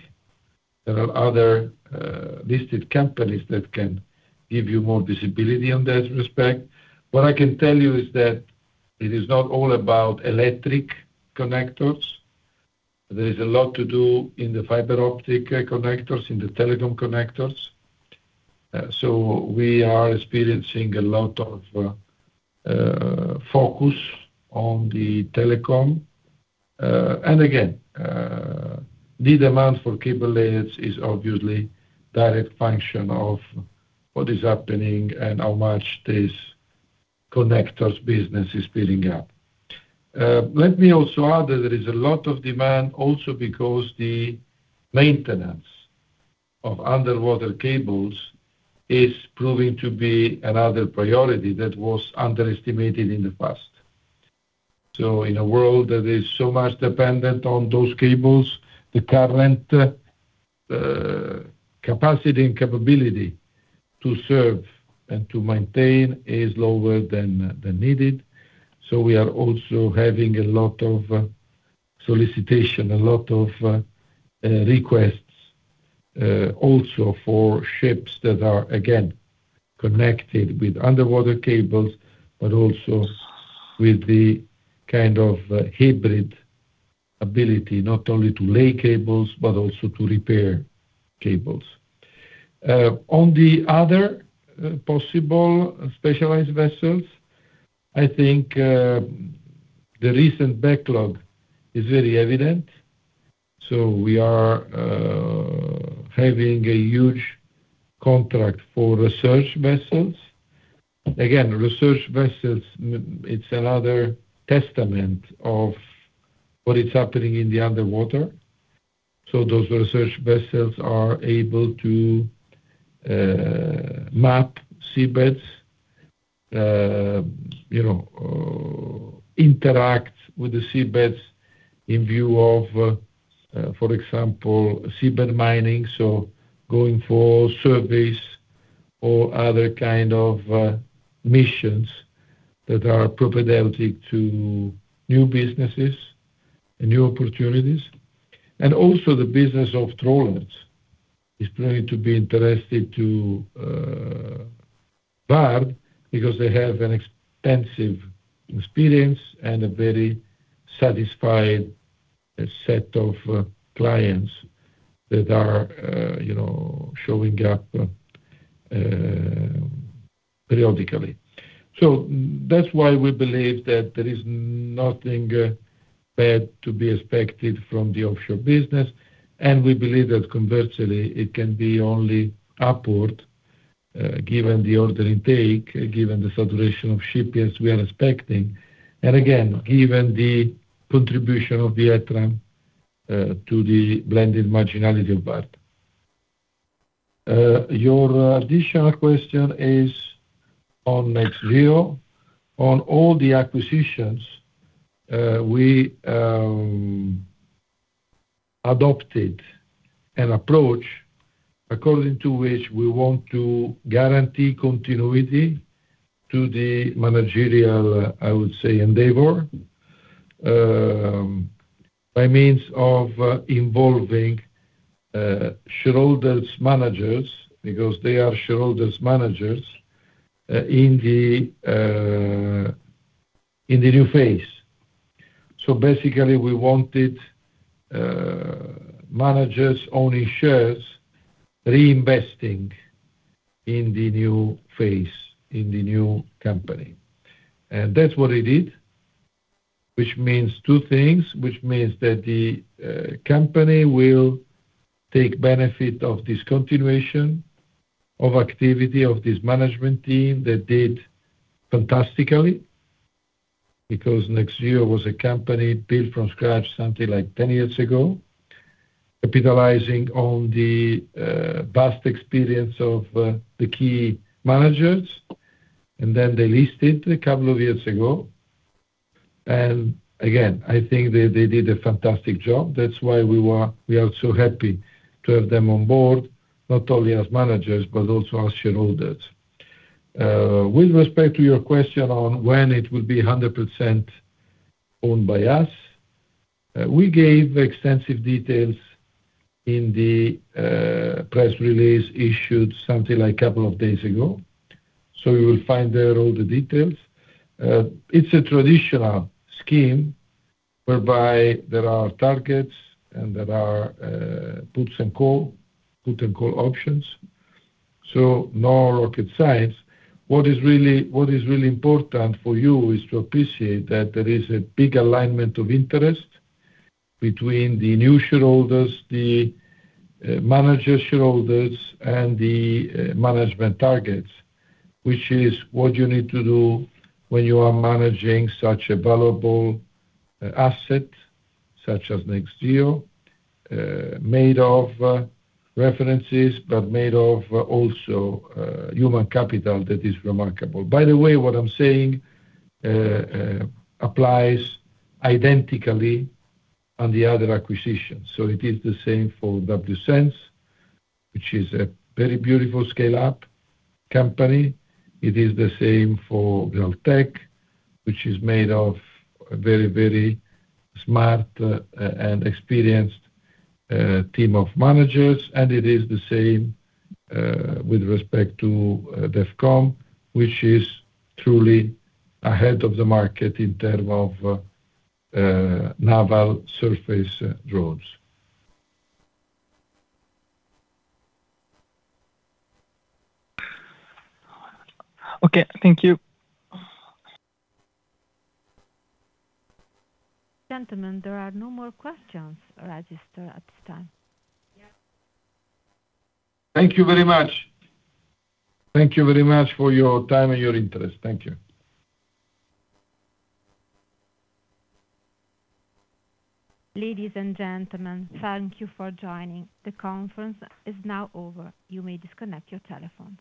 There are other listed companies that can give you more visibility on that respect. What I can tell you is that it is not all about electric connectors. There is a lot to do in the fiber optic connectors, in the telecom connectors. We are experiencing a lot of focus on the telecom. Again, the demand for cable layers is obviously direct function of what is happening and how much this connectors business is speeding up. Let me also add that there is a lot of demand also because the maintenance of underwater cables is proving to be another priority that was underestimated in the past. In a world that is so much dependent on those cables, the current capacity and capability to serve and to maintain is lower than needed. We are also having a lot of solicitation, a lot of requests also for ships that are, again, connected with underwater cables, but also with the kind of hybrid ability not only to lay cables, but also to repair cables. On the other possible specialized vessels, I think the recent backlog is very evident. We are having a huge contract for research vessels. Again, research vessels, it's another testament of what is happening in the underwater. Those research vessels are able to map seabeds, interact with the seabeds in view of, for example, seabed mining. Going for surveys or other kind of missions that are propaedeutic to new businesses and new opportunities. The business of trawlers is proving to be interesting to Vard because they have an extensive experience and a very satisfied set of clients that are showing up periodically. That's why we believe that there is nothing bad to be expected from the offshore business, and we believe that conversely, it can be only upward given the order intake, given the saturation of ship years we are expecting, and again, given the contribution of the [ETRM] to the blended marginality of Vard. Your additional question is on Next Geosolutions. On all the acquisitions, we adopted an approach according to which we want to guarantee continuity to the managerial, I would say, endeavor, by means of involving shareholders' managers because they are shareholders' managers in the new phase. Basically, we wanted managers owning shares reinvesting in the new phase, in the new company. That's what they did. Which means two things, which means that the company will take benefit of this continuation of activity of this management team that did fantastically, because Next Geosolutions was a company built from scratch something like 10 years ago, capitalizing on the vast experience of the key managers, and then they listed a couple of years ago. I think they did a fantastic job. That's why we are so happy to have them on board, not only as managers, but also as shareholders. With respect to your question on when it will be 100% owned by us, we gave extensive details in the press release issued something like a couple of days ago. You will find there all the details. It's a traditional scheme whereby there are targets and there are put and call options. No rocket science. What is really important for you is to appreciate that there is a big alignment of interest between the new shareholders, the manager shareholders, and the management targets, which is what you need to do when you are managing such a valuable asset, such as Next Geosolutions, made of references, but made of also human capital that is remarkable. By the way, what I'm saying applies identically on the other acquisitions. It is the same for WSense, which is a very beautiful scale-up company. It is the same for Graal Tech, which is made of a very smart and experienced team of managers. It is the same with respect to Defcomm, which is truly ahead of the market in term of naval surface drones. Okay. Thank you. Gentlemen, there are no more questions registered at this time. Thank you very much. Thank you very much for your time and your interest. Thank you. Ladies and gentlemen, thank you for joining. The conference is now over. You may disconnect your telephone.